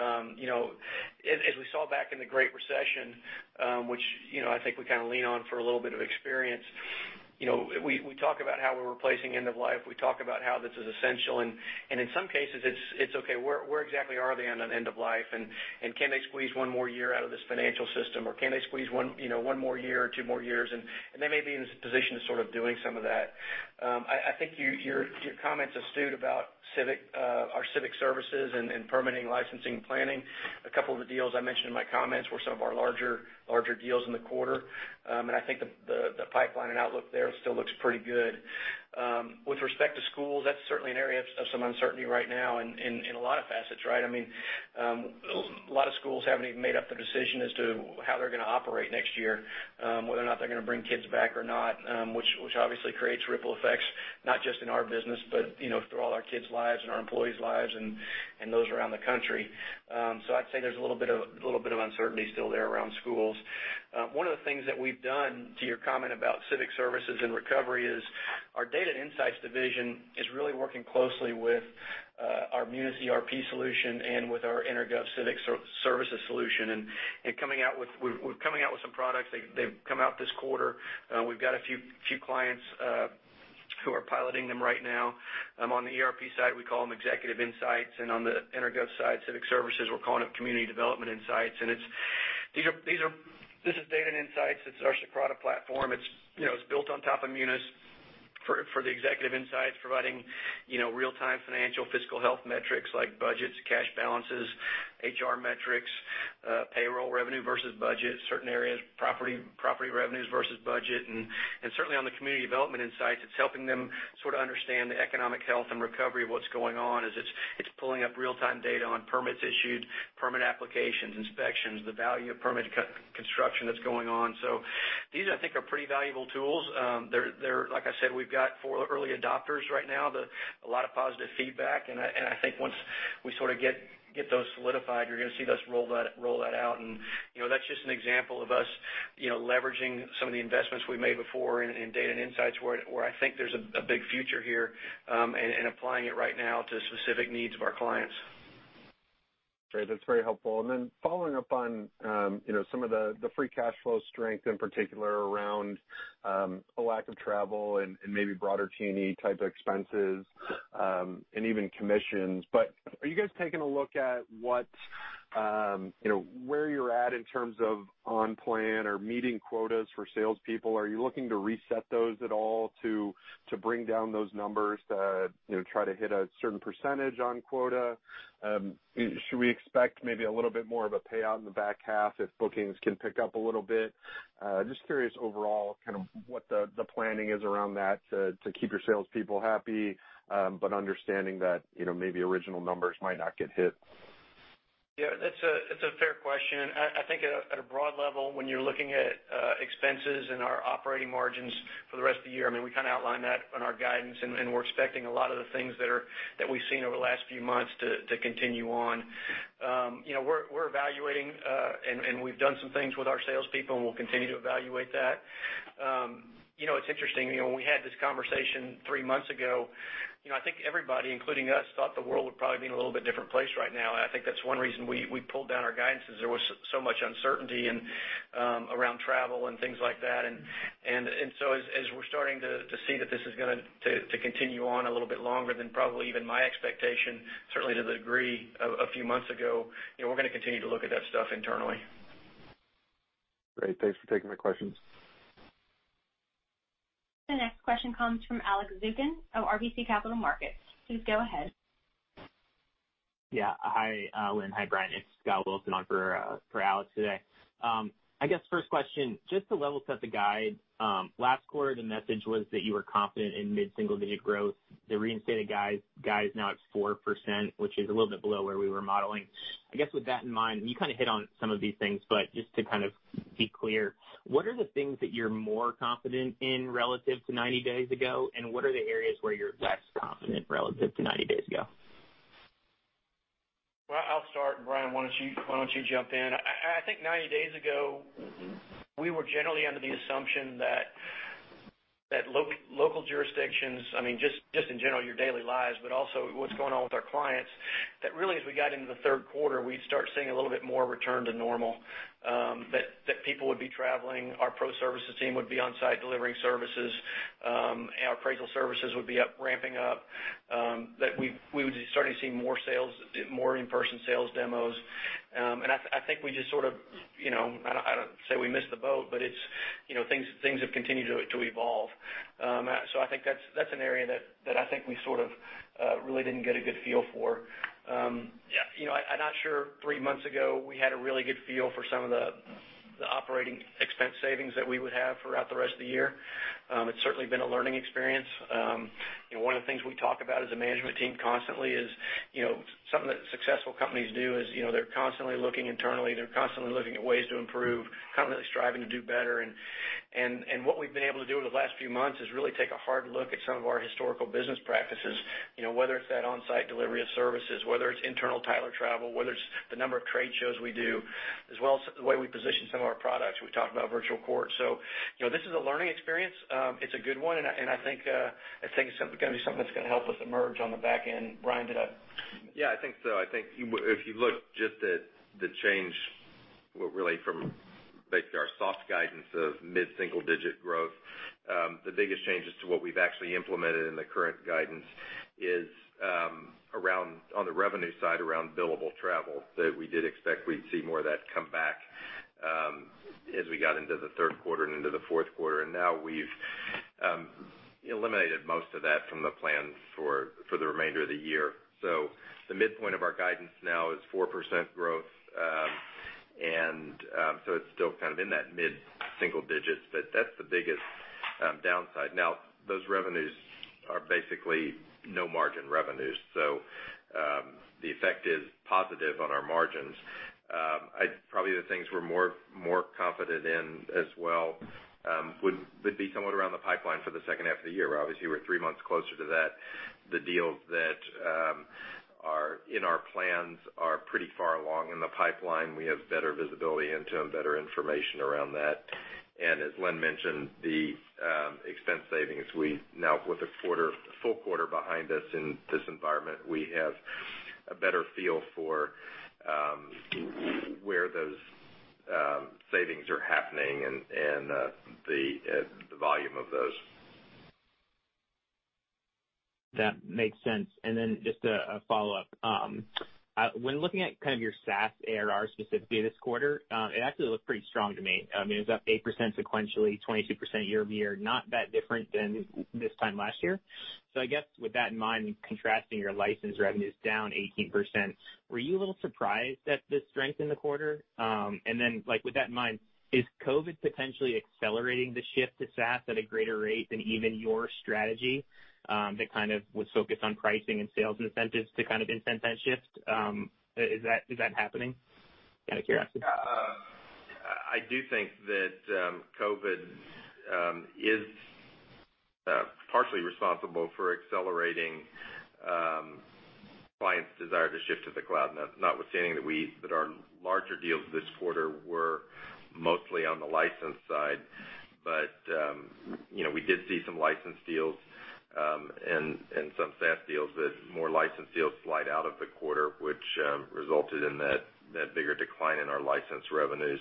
As we saw back in the Great Recession, which I think we lean on for a little bit of experience, we talk about how we're replacing end-of-life. We talk about how this is essential. In some cases, it's okay, where exactly are they on an end-of-life, and can they squeeze one more year out of this financial system, or can they squeeze one more year or two more years? They may be in a position of doing some of that. I think your comments astute about our civic services and permitting licensing planning. A couple of the deals I mentioned in my comments were some of our larger deals in the quarter. I think the pipeline and outlook there still looks pretty good. Respect to schools, that's certainly an area of some uncertainty right now in a lot of facets, right? A lot of schools haven't even made up the decision as to how they're going to operate next year, whether or not they're going to bring kids back or not, which obviously creates ripple effects, not just in our business, but through all our kids' lives and our employees' lives and those around the country. I'd say there's a little bit of uncertainty still there around schools. One of the things that we've done to your comment about civic services and recovery is our data and insights division is really working closely with our Munis ERP solution and with our EnerGov Civic Services solution. We're coming out with some products. They've come out this quarter. We've got a few clients who are piloting them right now. On the ERP side, we call them Executive Insights, and on the EnerGov side, Civic Services, we're calling it Community Development Insights. This is data and insights. It's our Socrata platform. It's built on top of Munis for the Executive Insights, providing real-time financial fiscal health metrics like budgets, cash balances, HR metrics, payroll revenue versus budget, certain areas, property revenues versus budget. Certainly, on the Community Development Insights, it's helping them sort of understand the economic health and recovery of what's going on as it's pulling up real-time data on permits issued, permit applications, inspections, the value of permit construction that's going on. These, I think, are pretty valuable tools. Like I said, we've got four early adopters right now, a lot of positive feedback. I think once we sort of get those solidified, you're going to see us roll that out. That's just an example of us leveraging some of the investments we've made before in data and insights, where I think there's a big future here, and applying it right now to specific needs of our clients. Following up on some of the free cash flow strength, in particular, around a lack of travel and maybe broader T&E type expenses, and even commissions. Are you guys taking a look at where you're at in terms of on-plan or meeting quotas for salespeople? Are you looking to reset those at all to bring down those numbers to try to hit a certain percentage on quota? Should we expect maybe a little bit more of a payout in the back half if bookings can pick up a little bit? Just curious overall, what the planning is around that to keep your salespeople happy, but understanding that maybe original numbers might not get hit. Yeah, that's a fair question. I think at a broad level, when you're looking at expenses and our operating margins for the rest of the year, we outlined that in our guidance, and we're expecting a lot of the things that we've seen over the last few months to continue on. We're evaluating, and we've done some things with our salespeople, and we'll continue to evaluate that. It's interesting, when we had this conversation three months ago, I think everybody, including us, thought the world would probably be in a little bit different place right now. I think that's one reason we pulled down our guidance, is there was so much uncertainty around travel and things like that. As we're starting to see that this is going to continue on a little bit longer than probably even my expectation, certainly to the degree a few months ago, we're going to continue to look at that stuff internally. Great. Thanks for taking my questions. The next question comes from Alex Zukin of RBC Capital Markets. Please go ahead. Hi, Lynn. Hi, Brian. It's Scott Wilson on for Alex today. I guess first question, just to level set the guide. Last quarter, the message was that you were confident in mid-single-digit growth. The reinstated guide is now at 4%, which is a little bit below where we were modeling. I guess with that in mind, you hit on some of these things, but just to be clear, what are the things that you're more confident in relative to 90 days ago, and what are the areas where you're less confident relative to 90 days ago? Well, I'll start, and Brian, why don't you jump in? I think 90 days ago, we were generally under the assumption that local jurisdictions, just in general, your daily lives, but also what's going on with our clients, that really, as we got into the third quarter, we'd start seeing a little bit more return to normal, that people would be traveling. Our pro services team would be on-site delivering services. Our appraisal services would be ramping up, that we would be starting to see more in-person sales demos. I think we just I don't say we missed the boat, but things have continued to evolve. I think that's an area that I think we really didn't get a good feel for. I'm not sure three months ago, we had a really good feel for some of the operating expense savings that we would have throughout the rest of the year. It's certainly been a learning experience. One of the things we talk about as a management team constantly is something that successful companies do is they're constantly looking internally. They're constantly looking at ways to improve, constantly striving to do better. What we've been able to do over the last few months is really take a hard look at some of our historical business practices, whether it's that on-site delivery of services, whether it's internal Tyler travel, whether it's the number of trade shows we do, as well as the way we position some of our products. We talked about Virtual Court. This is a learning experience. It's a good one, and I think it's going to be something that's going to help us emerge on the back end. Brian, did I? Yeah, I think so. I think if you look just at the change, really from basically our soft guidance of mid-single-digit growth, the biggest changes to what we've actually implemented in the current guidance is on the revenue side, around billable travel, that we did expect we'd see more of that come back as we got into the third quarter and into the fourth quarter. Now we've eliminated most of that from the plans for the remainder of the year. The midpoint of our guidance now is 4% growth. It's still in that mid-single digits, but that's the biggest downside. Now, those revenues are basically no-margin revenues, so the effect is positive on our margins. Probably the things we're more confident in as well would be somewhat around the pipeline for the second half of the year. Obviously, we're three months closer to that. The deals that are in our plans are pretty far along in the pipeline. We have better visibility into them, better information around that. As Lynn mentioned, the expense savings, now with a full quarter behind us in this environment, we have a better feel for where those savings are happening and the volume of those. That makes sense. Just a follow-up. When looking at your SaaS ARR specifically this quarter, it actually looked pretty strong to me. I mean, it was up 8% sequentially, 22% year-over-year, not that different than this time last year. I guess with that in mind, contrasting your license revenues down 18%, were you a little surprised at this strength in the quarter? With that in mind, is COVID potentially accelerating the shift to SaaS at a greater rate than even your strategy, that was focused on pricing and sales incentives to incentivize shift? Is that happening out of curiosity? I do think that COVID is partially responsible for accelerating clients' desire to shift to the cloud, notwithstanding that our larger deals this quarter were mostly on the license side. We did see some license deals and some SaaS deals, but more license deals slide out of the quarter, which resulted in that bigger decline in our license revenues.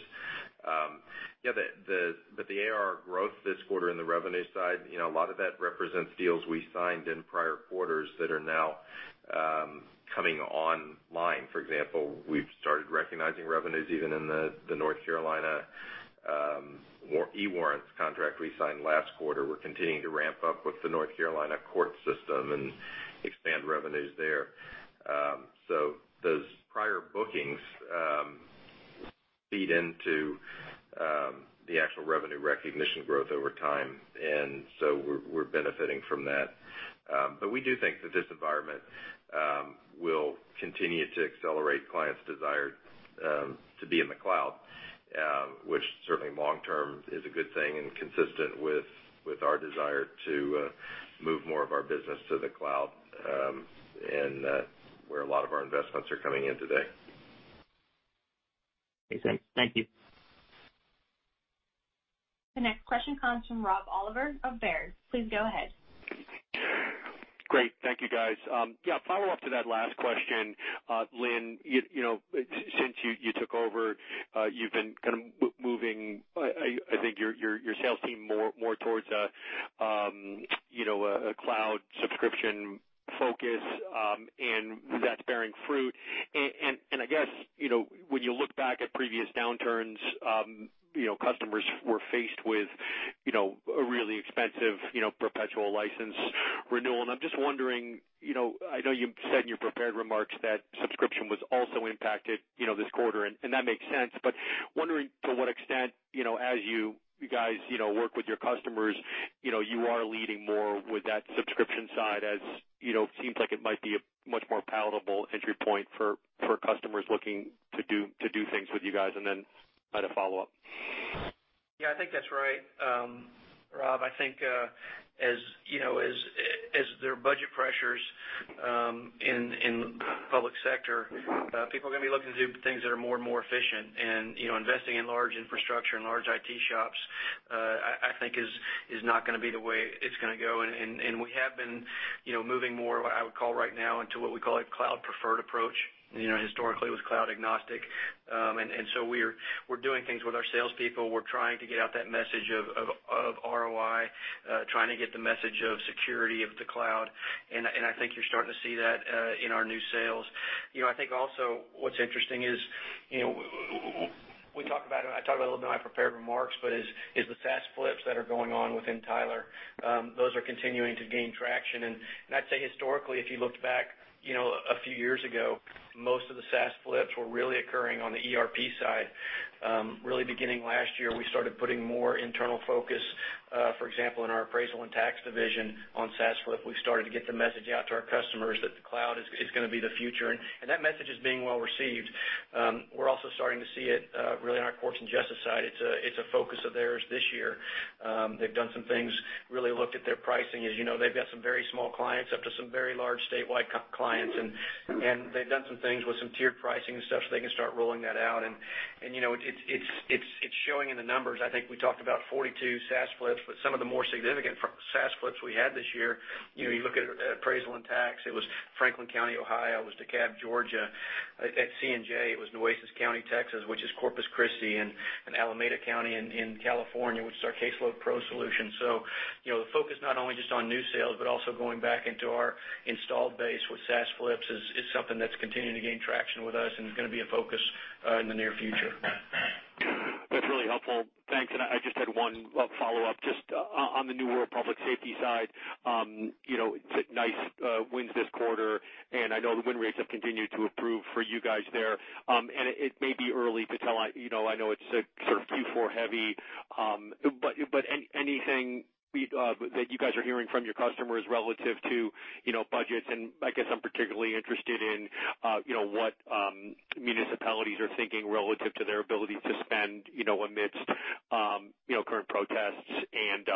The ARR growth this quarter in the revenue side, a lot of that represents deals we signed in prior quarters that are now coming online. For example, we've started recognizing revenues even in the North Carolina eWarrant contract we signed last quarter. We're continuing to ramp up with the North Carolina court system and expand revenues there. Those prior bookings feed into the actual revenue recognition growth over time, and so we're benefiting from that. We do think that this environment will continue to accelerate clients' desire to be in the cloud, which certainly long-term is a good thing and consistent with our desire to move more of our business to the cloud, and where a lot of our investments are coming in today. Makes sense. Thank you. The next question comes from Rob Oliver of Baird. Please go ahead. Great. Thank you, guys. Yeah, follow up to that last question. Lynn, since you took over, you've been moving, I think, your sales team more towards a cloud subscription focus. That's bearing fruit. I guess, when you look back at previous downturns, customers were faced with a really expensive perpetual license renewal. I'm just wondering, I know you said in your prepared remarks that subscription was also impacted this quarter, and that makes sense, but wondering to what extent, as you guys work with your customers, you are leading more with that subscription side as it seems like it might be a much more palatable entry point for customers looking to do things with you guys, and then I had a follow-up. I think that's right. Rob, I think as there are budget pressures in public sector, people are going to be looking to do things that are more and more efficient. Investing in large infrastructure and large IT shops, I think is not going to be the way it's going to go. We have been moving more, what I would call right now, into what we call a cloud-preferred approach. Historically, it was cloud agnostic. We're doing things with our salespeople. We're trying to get out that message of ROI, trying to get the message of security of the cloud. I think you're starting to see that in our new sales. I think also what's interesting is, I talked about it a little bit in my prepared remarks, is the SaaS flips that are going on within Tyler. Those are continuing to gain traction. I'd say historically, if you looked back a few years ago, most of the SaaS flips were really occurring on the ERP side. Really beginning last year, we started putting more internal focus, for example, in our appraisal and tax division on SaaS flip. We've started to get the message out to our customers that the cloud is going to be the future, and that message is being well received. We're also starting to see it really in our courts and justice side. It's a focus of theirs this year. They've done some things, really looked at their pricing. As you know, they've got some very small clients up to some very large statewide clients, and they've done some things with some tiered pricing and stuff so they can start rolling that out. It's showing in the numbers. I think we talked about 42 SaaS flips, but some of the more significant SaaS flips we had this year, you look at appraisal and tax, it was Franklin County, Ohio, it was DeKalb, Georgia. At C&J, it was Nueces County, Texas, which is Corpus Christi, and Alameda County in California, which is our CaseloadPRO solution. The focus not only just on new sales, but also going back into our installed base with SaaS flips is something that's continuing to gain traction with us and is going to be a focus in the near future. Helpful. Thanks. I just had one follow-up, just on the New World Public Safety side. Nice wins this quarter, and I know the win rates have continued to improve for you guys there. It may be early to tell, I know it's sort of Q4 heavy, but anything that you guys are hearing from your customers relative to budgets? I guess I'm particularly interested in what municipalities are thinking relative to their ability to spend amidst current protests and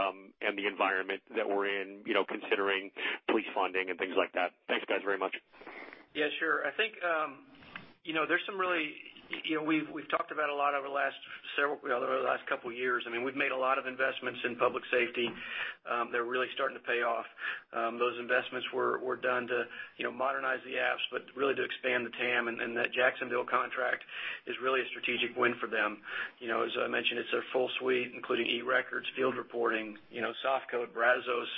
the environment that we're in considering police funding and things like that. Thanks, guys, very much. Yeah, sure. I think we've talked about a lot over the last couple of years. We've made a lot of investments in public safety. They're really starting to pay off. Those investments were done to modernize the apps, but really to expand the TAM, and that Jacksonville contract is really a strategic win for them. As I mentioned, it's their full suite, including e-records, field reporting, SoftCode, Brazos,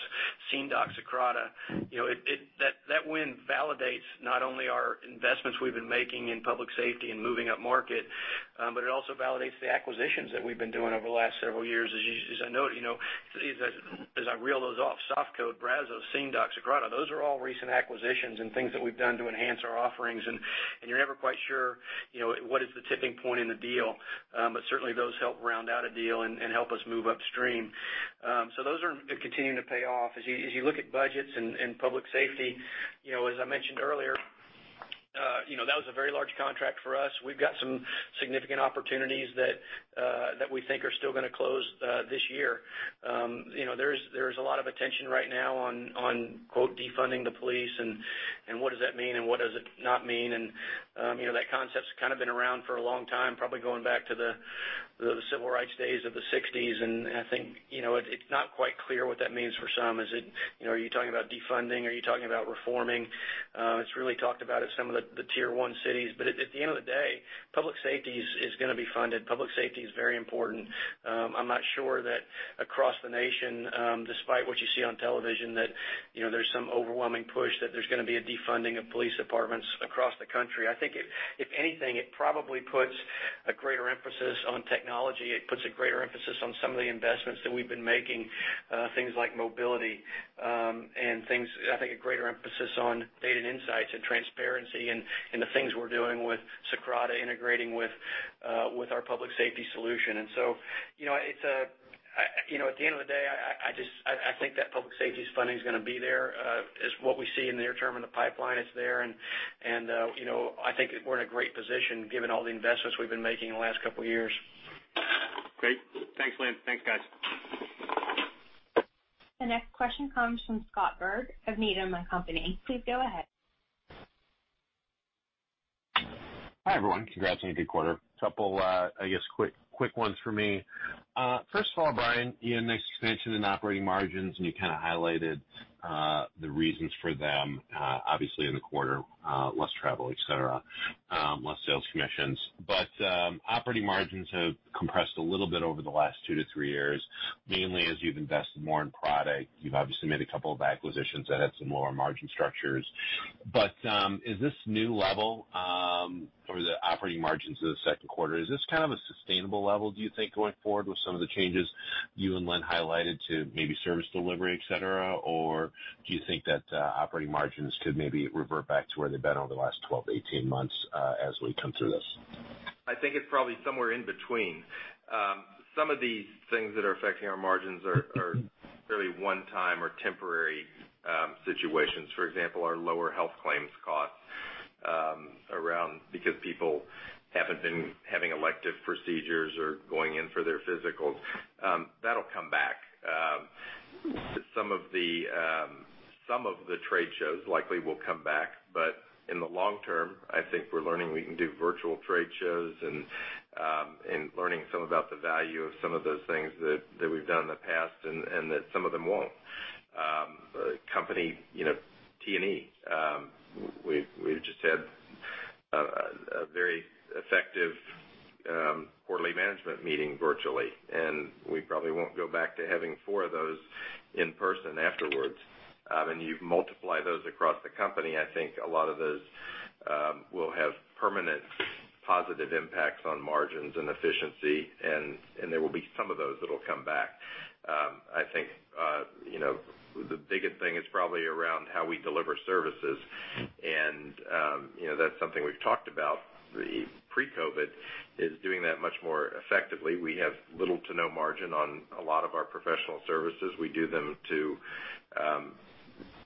SceneDoc, Socrata. That win validates not only our investments we've been making in public safety and moving upmarket, but it also validates the acquisitions that we've been doing over the last several years. As I note, as I reel those off, SoftCode, Brazos, SceneDoc, Socrata, those are all recent acquisitions and things that we've done to enhance our offerings. You're never quite sure what is the tipping point in the deal. Certainly, those help round out a deal and help us move upstream. Those are continuing to pay off. As you look at budgets and public safety, as I mentioned earlier, that was a very large contract for us. We've got some significant opportunities that we think are still going to close this year. There is a lot of attention right now on, quote, "defunding the police" and what does that mean and what does it not mean. That concept's kind of been around for a long time, probably going back to the civil rights days of the '60s, and I think it's not quite clear what that means for some. Are you talking about defunding? Are you talking about reforming? It's really talked about at some of the tier 1 cities. At the end of the day, public safety is going to be funded. Public safety is very important. I'm not sure that across the nation, despite what you see on television, that there's some overwhelming push that there's going to be a defunding of police departments across the country. I think if anything, it probably puts a greater emphasis on technology. It puts a greater emphasis on some of the investments that we've been making, things like mobility, and I think a greater emphasis on data and insights and transparency and the things we're doing with Socrata integrating with our public safety solution. At the end of the day, I think that public safety's funding is going to be there, as what we see in the near term in the pipeline, it's there, and I think we're in a great position given all the investments we've been making in the last couple of years. Great. Thanks, Lynn. Thanks, guys. The next question comes from Scott Berg of Needham & Company. Please go ahead. Hi, everyone. Congrats on a good quarter. Couple, I guess, quick ones for me. First of all, Brian, nice expansion in operating margins, and you kind of highlighted the reasons for them, obviously in the quarter, less travel, et cetera, less sales commissions. Operating margins have compressed a little bit over the last two to three years, mainly as you've invested more in product. You've obviously made a couple of acquisitions that had some lower margin structures. Is this new level for the operating margins of the second quarter, is this kind of a sustainable level, do you think, going forward with some of the changes you and Lynn highlighted to maybe service delivery, et cetera? Do you think that operating margins could maybe revert back to where they've been over the last 12 -18 months as we come through this? I think it's probably somewhere in between. Some of the things that are affecting our margins are fairly one-time or temporary situations. For example, our lower health claims costs, around because people haven't been having elective procedures or going in for their physicals. That'll come back. Some of the trade shows likely will come back, but in the long-term, I think we're learning we can do virtual trade shows and learning some about the value of some of those things that we've done in the past, and that some of them won't. T&E. We just had a very effective quarterly management meeting virtually, and we probably won't go back to having four of those in person afterwards. You multiply those across the company, I think a lot of those will have permanent positive impacts on margins and efficiency, and there will be some of those that'll come back. I think the biggest thing is probably around how we deliver services, and that's something we've talked about pre-COVID, is doing that much more effectively. We have little to no margin on a lot of our professional services. We do them to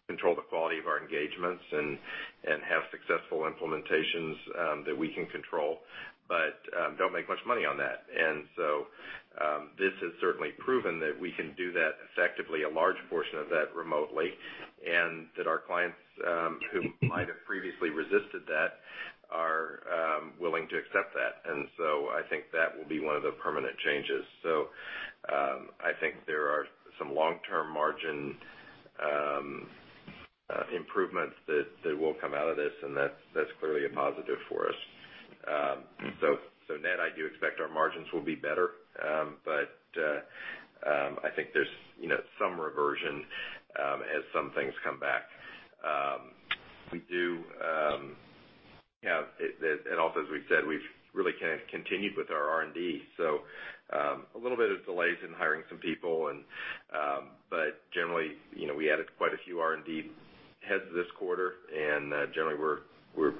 control the quality of our engagements and have successful implementations that we can control, but don't make much money on that. This has certainly proven that we can do that effectively, a large portion of that remotely, and that our clients who might have previously resisted that are willing to accept that. I think that will be one of the permanent changes. I think there are some long-term margin improvements that will come out of this, and that's clearly a positive for us. Net, I do expect our margins will be better. I think there's some reversion as some things come back. Yeah. Also, as we've said, we've really continued with our R&D. A little bit of delays in hiring some people, but generally, we added quite a few R&D heads this quarter. Generally, we're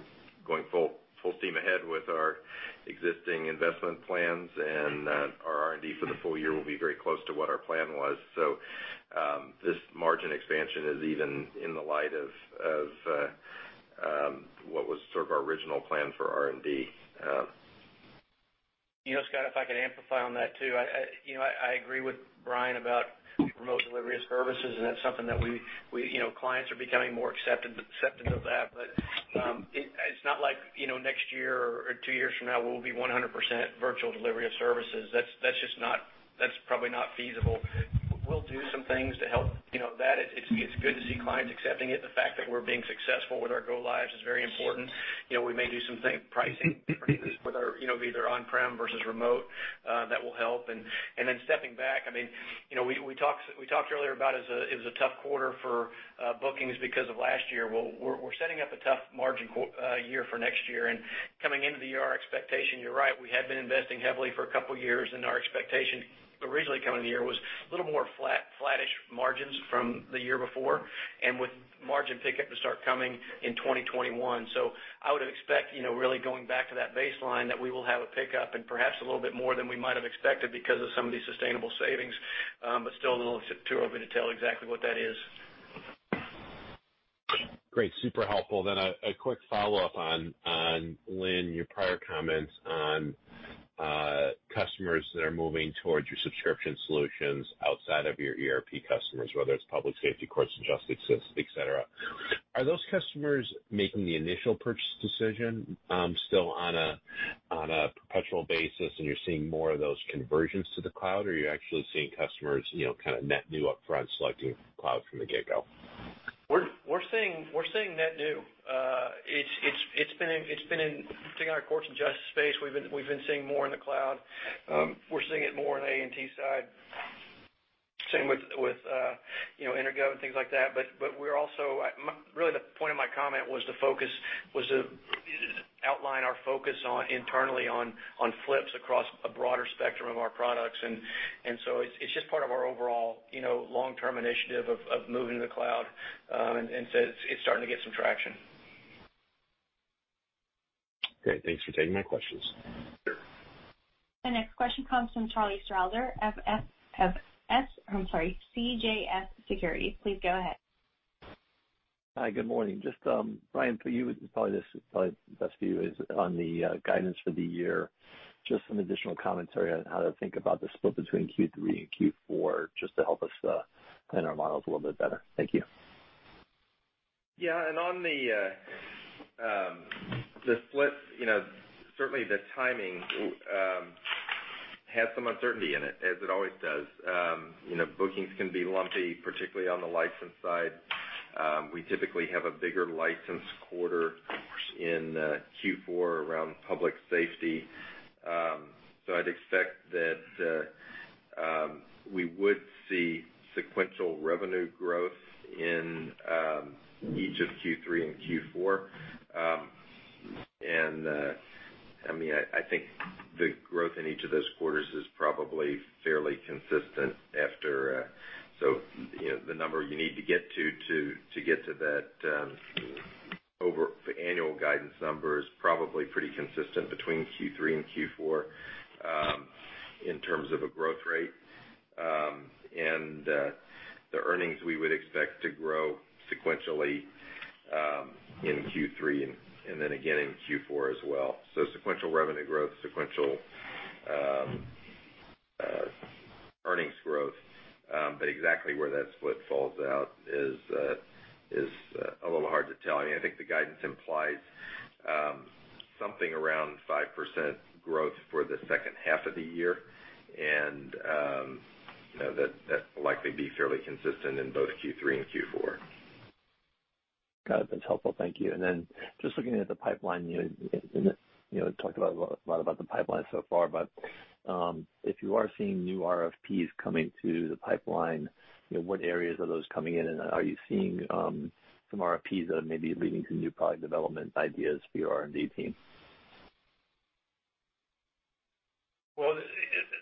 going full steam ahead with our existing investment plans, and our R&D for the full-year will be very close to what our plan was. This margin expansion is even in the light of what was sort of our original plan for R&D. Scott, if I could amplify on that too. I agree with Brian about remote delivery of services, that's something that clients are becoming more accepted of that. It's not like next year or two years from now, we'll be 100% virtual delivery of services. That's probably not feasible. We'll do some things to help. That it's good to see clients accepting it. The fact that we're being successful with our go lives is very important. We may do some pricing differences, be either on-prem versus remote, that will help. Then stepping back, we talked earlier about it was a tough quarter for bookings because of last year. We're setting up a tough margin year for next year. Coming into the year, our expectation, you're right, we had been investing heavily for a couple of years, and our expectation originally coming into the year was a little more flattish margins from the year before, and with margin pickup to start coming in 2021. I would expect, really going back to that baseline, that we will have a pickup and perhaps a little bit more than we might have expected because of some of these sustainable savings. Still a little too early to tell exactly what that is. Great. Super helpful. A quick follow-up on, Lynn, your prior comments on customers that are moving towards your subscription solutions outside of your ERP customers, whether it's public safety, courts, and justice, et cetera. Are those customers making the initial purchase decision still on a perpetual basis, and you're seeing more of those conversions to the cloud? Are you actually seeing customers net new upfront selecting cloud from the get-go? We're seeing net new. Particularly in our courts and justice space, we've been seeing more in the cloud. We're seeing it more on the A&T side. Same with EnerGov and things like that. Really the point of my comment was to outline our focus internally on flips across a broader spectrum of our products. It's just part of our overall long-term initiative of moving to the cloud, and it's starting to get some traction. Great. Thanks for taking my questions. The next question comes from Charles Strauber of CJS Securities. Please go ahead. Hi, good morning. Just, Brian, for you, this probably best for you, is on the guidance for the year, just some additional commentary on how to think about the split between Q3 and Q4, just to help us plan our models a little bit better. Thank you. Yeah. On the split, certainly the timing has some uncertainty in it, as it always does. Bookings can be lumpy, particularly on the license side. We typically have a bigger license quarter in Q4 around public safety. I'd expect that we would see sequential revenue growth in each of Q3 and Q4. I think the growth in each of those quarters is probably fairly consistent after. The number you need to get to get to that over the annual guidance number is probably pretty consistent between Q3 and Q4, in terms of a growth rate. The earnings, we would expect to grow sequentially, in Q3 and then again in Q4 as well. Sequential revenue growth, sequential earnings growth. Exactly where that split falls out is a little hard to tell. I think the guidance implies something around 5% growth for the second half of the year, that'll likely be fairly consistent in both Q3 and Q4. Got it. That's helpful. Thank you. Then just looking at the pipeline, you talked a lot about the pipeline so far, if you are seeing new RFPs coming to the pipeline, what areas are those coming in, and are you seeing some RFPs that are maybe leading to new product development ideas for your R&D team? Well,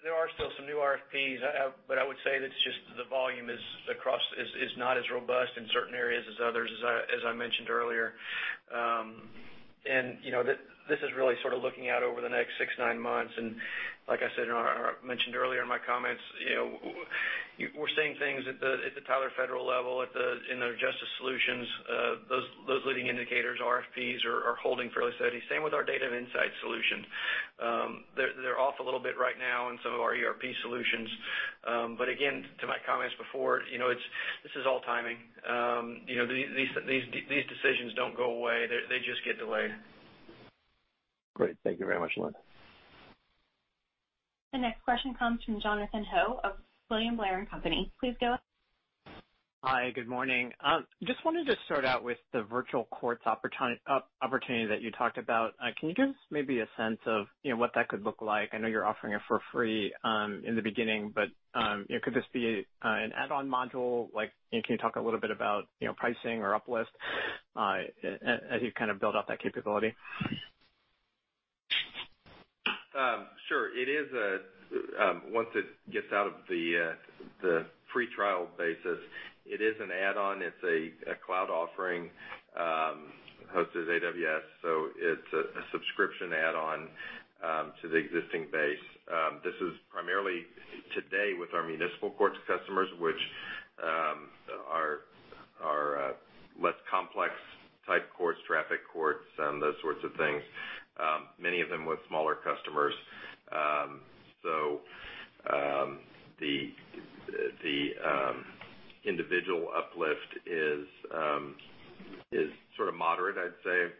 there are still some new RFPs, but I would say that it's just the volume is not as robust in certain areas as others, as I mentioned earlier. This is really sort of looking out over the next six, nine months. Like I said, or I mentioned earlier in my comments, we're seeing things at the Tyler Federal level, in the justice solutions. Those leading indicators, RFPs are holding fairly steady. Same with our data and insight solutions. They're off a little bit right now in some of our ERP solutions. Again, to my comments before, this is all timing. These decisions don't go away. They just get delayed. Great. Thank you very much, Lynn. The next question comes from Jonathan Ho of William Blair & Company. Please go. Hi, good morning. Just wanted to start out with the Virtual Court opportunity that you talked about. Can you give us maybe a sense of what that could look like? I know you're offering it for free in the beginning, but could this be an add-on module? Can you talk a little bit about pricing or uplifts as you build out that capability? Sure. Once it gets out of the free trial basis, it is an add-on. It's a cloud offering, hosted AWS, it's a subscription add-on to the existing base. This is primarily today with our municipal courts customers, which are less complex type courts, traffic courts, and those sorts of things, many of them with smaller customers. The individual uplift is sort of moderate, I'd say,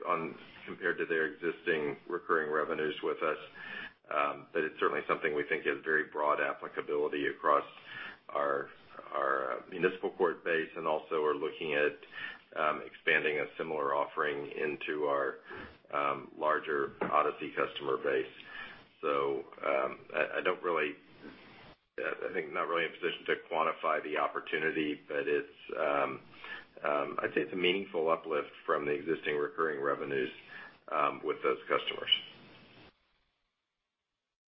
compared to their existing recurring revenues with us. It's certainly something we think has very broad applicability across our municipal court base, and also we're looking at expanding a similar offering into our larger Odyssey customer base. I think not really in a position to quantify the opportunity, but I'd say it's a meaningful uplift from the existing recurring revenues with those customers.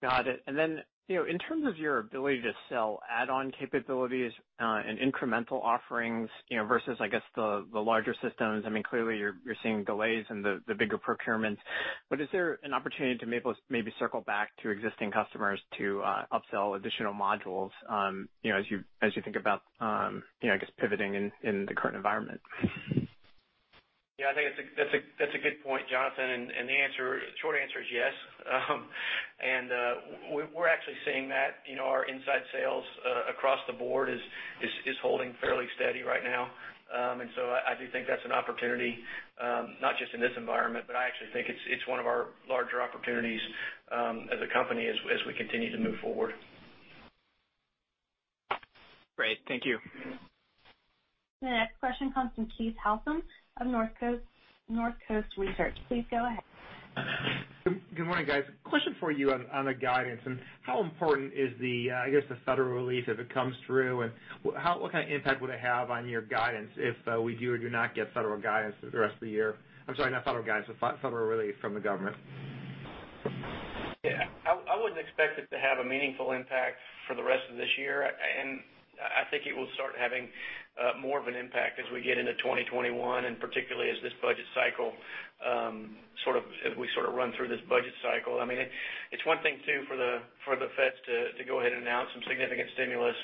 Got it. In terms of your ability to sell add-on capabilities, and incremental offerings, versus, I guess, the larger systems, clearly, you're seeing delays in the bigger procurements, is there an opportunity to maybe circle back to existing customers to upsell additional modules as you think about pivoting in the current environment? Yeah, I think that's a good point, Jonathan. The short answer is yes. We're actually seeing that. Our inside sales across the board is holding fairly steady right now. I do think that's an opportunity, not just in this environment, but I actually think it's one of our larger opportunities as a company as we continue to move forward. Great. Thank you. The next question comes from Keith Housum of Northcoast Research. Please go ahead. Good morning, guys. Question for you on the guidance, and how important is the, I guess, the federal relief if it comes through, and what kind of impact would it have on your guidance if we do or do not get federal guidance for the rest of the year? I'm sorry, not federal guidance, federal relief from the government. I wouldn't expect it to have a meaningful impact for the rest of this year, and I think it will start having more of an impact as we get into 2021, and particularly as we sort of run through this budget cycle. It's one thing, too, for the Feds to go ahead and announce some significant stimulus.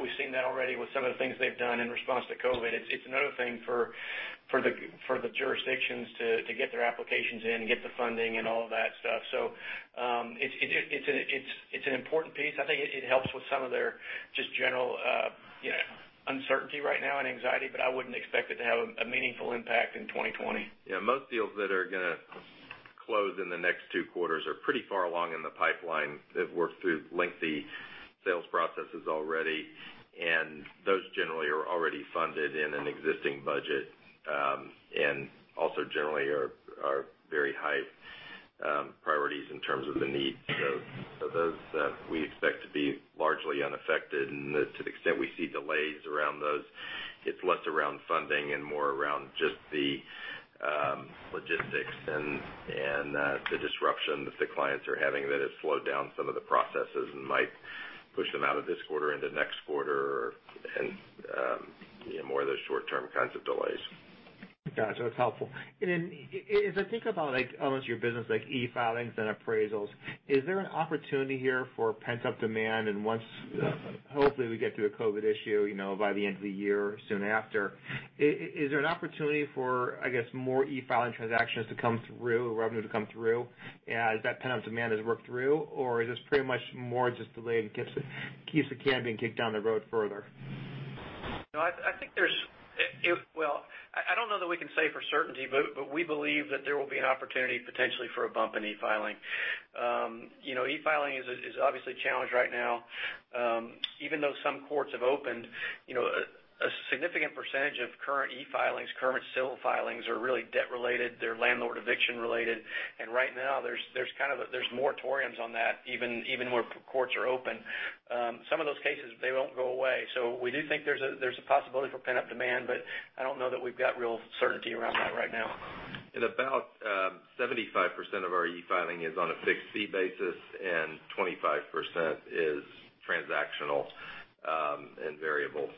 We've seen that already with some of the things they've done in response to COVID. It's another thing for the jurisdictions to get their applications in and get the funding and all of that stuff. It's an important piece. I think it helps with some of their just general uncertainty right now and anxiety, but I wouldn't expect it to have a meaningful impact in 2020. Yeah, most deals that are going to close in the next two quarters are pretty far along in the pipeline. They've worked through lengthy sales processes already, those generally are already funded in an existing budget, and also generally are very high priorities in terms of the needs. Those, we expect to be largely unaffected, and to the extent we see delays around those, it's less around funding and more around just the logistics and the disruption that the clients are having that has slowed down some of the processes and might push them out of this quarter into next quarter and more of those short-term kinds of delays. Got you. That's helpful. Then, as I think about elements of your business, like e-filings and appraisals, is there an opportunity here for pent-up demand and once, hopefully, we get through the COVID issue by the end of the year or soon after, is there an opportunity for more e-filing transactions to come through, revenue to come through as that pent-up demand is worked through? Or is this pretty much more just delayed in case the can being kicked down the road further? Well, I don't know that we can say for certainty, but we believe that there will be an opportunity potentially for a bump in e-filing. e-filing is obviously a challenge right now. Even though some courts have opened, a significant percentage of current e-filings, current civil filings are really debt-related. They're landlord-eviction related, and right now there's moratoriums on that, even where courts are open. Some of those cases, they won't go away. We do think there's a possibility for pent-up demand, but I don't know if we got real certainty right now. About 75% of our e-filing is on a fixed fee basis, and 25% is transactional and variable.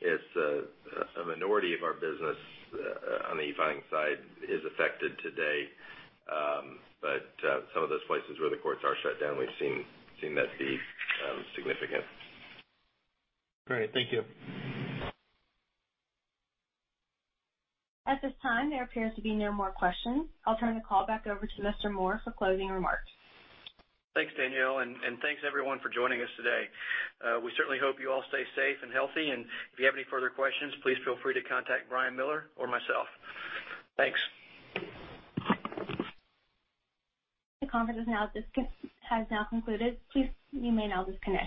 It's a minority of our business on the e-filing side is affected today. Some of those places where the courts are shut down, we've seen that be significant. Great. Thank you. At this time, there appears to be no more questions. I'll turn the call back over to Mr. Moore for closing remarks. Thanks, Danielle, and thanks, everyone, for joining us today. We certainly hope you all stay safe and healthy. If you have any further questions, please feel free to contact Brian Miller or myself. Thanks. The conference has now concluded. Please, you may now disconnect.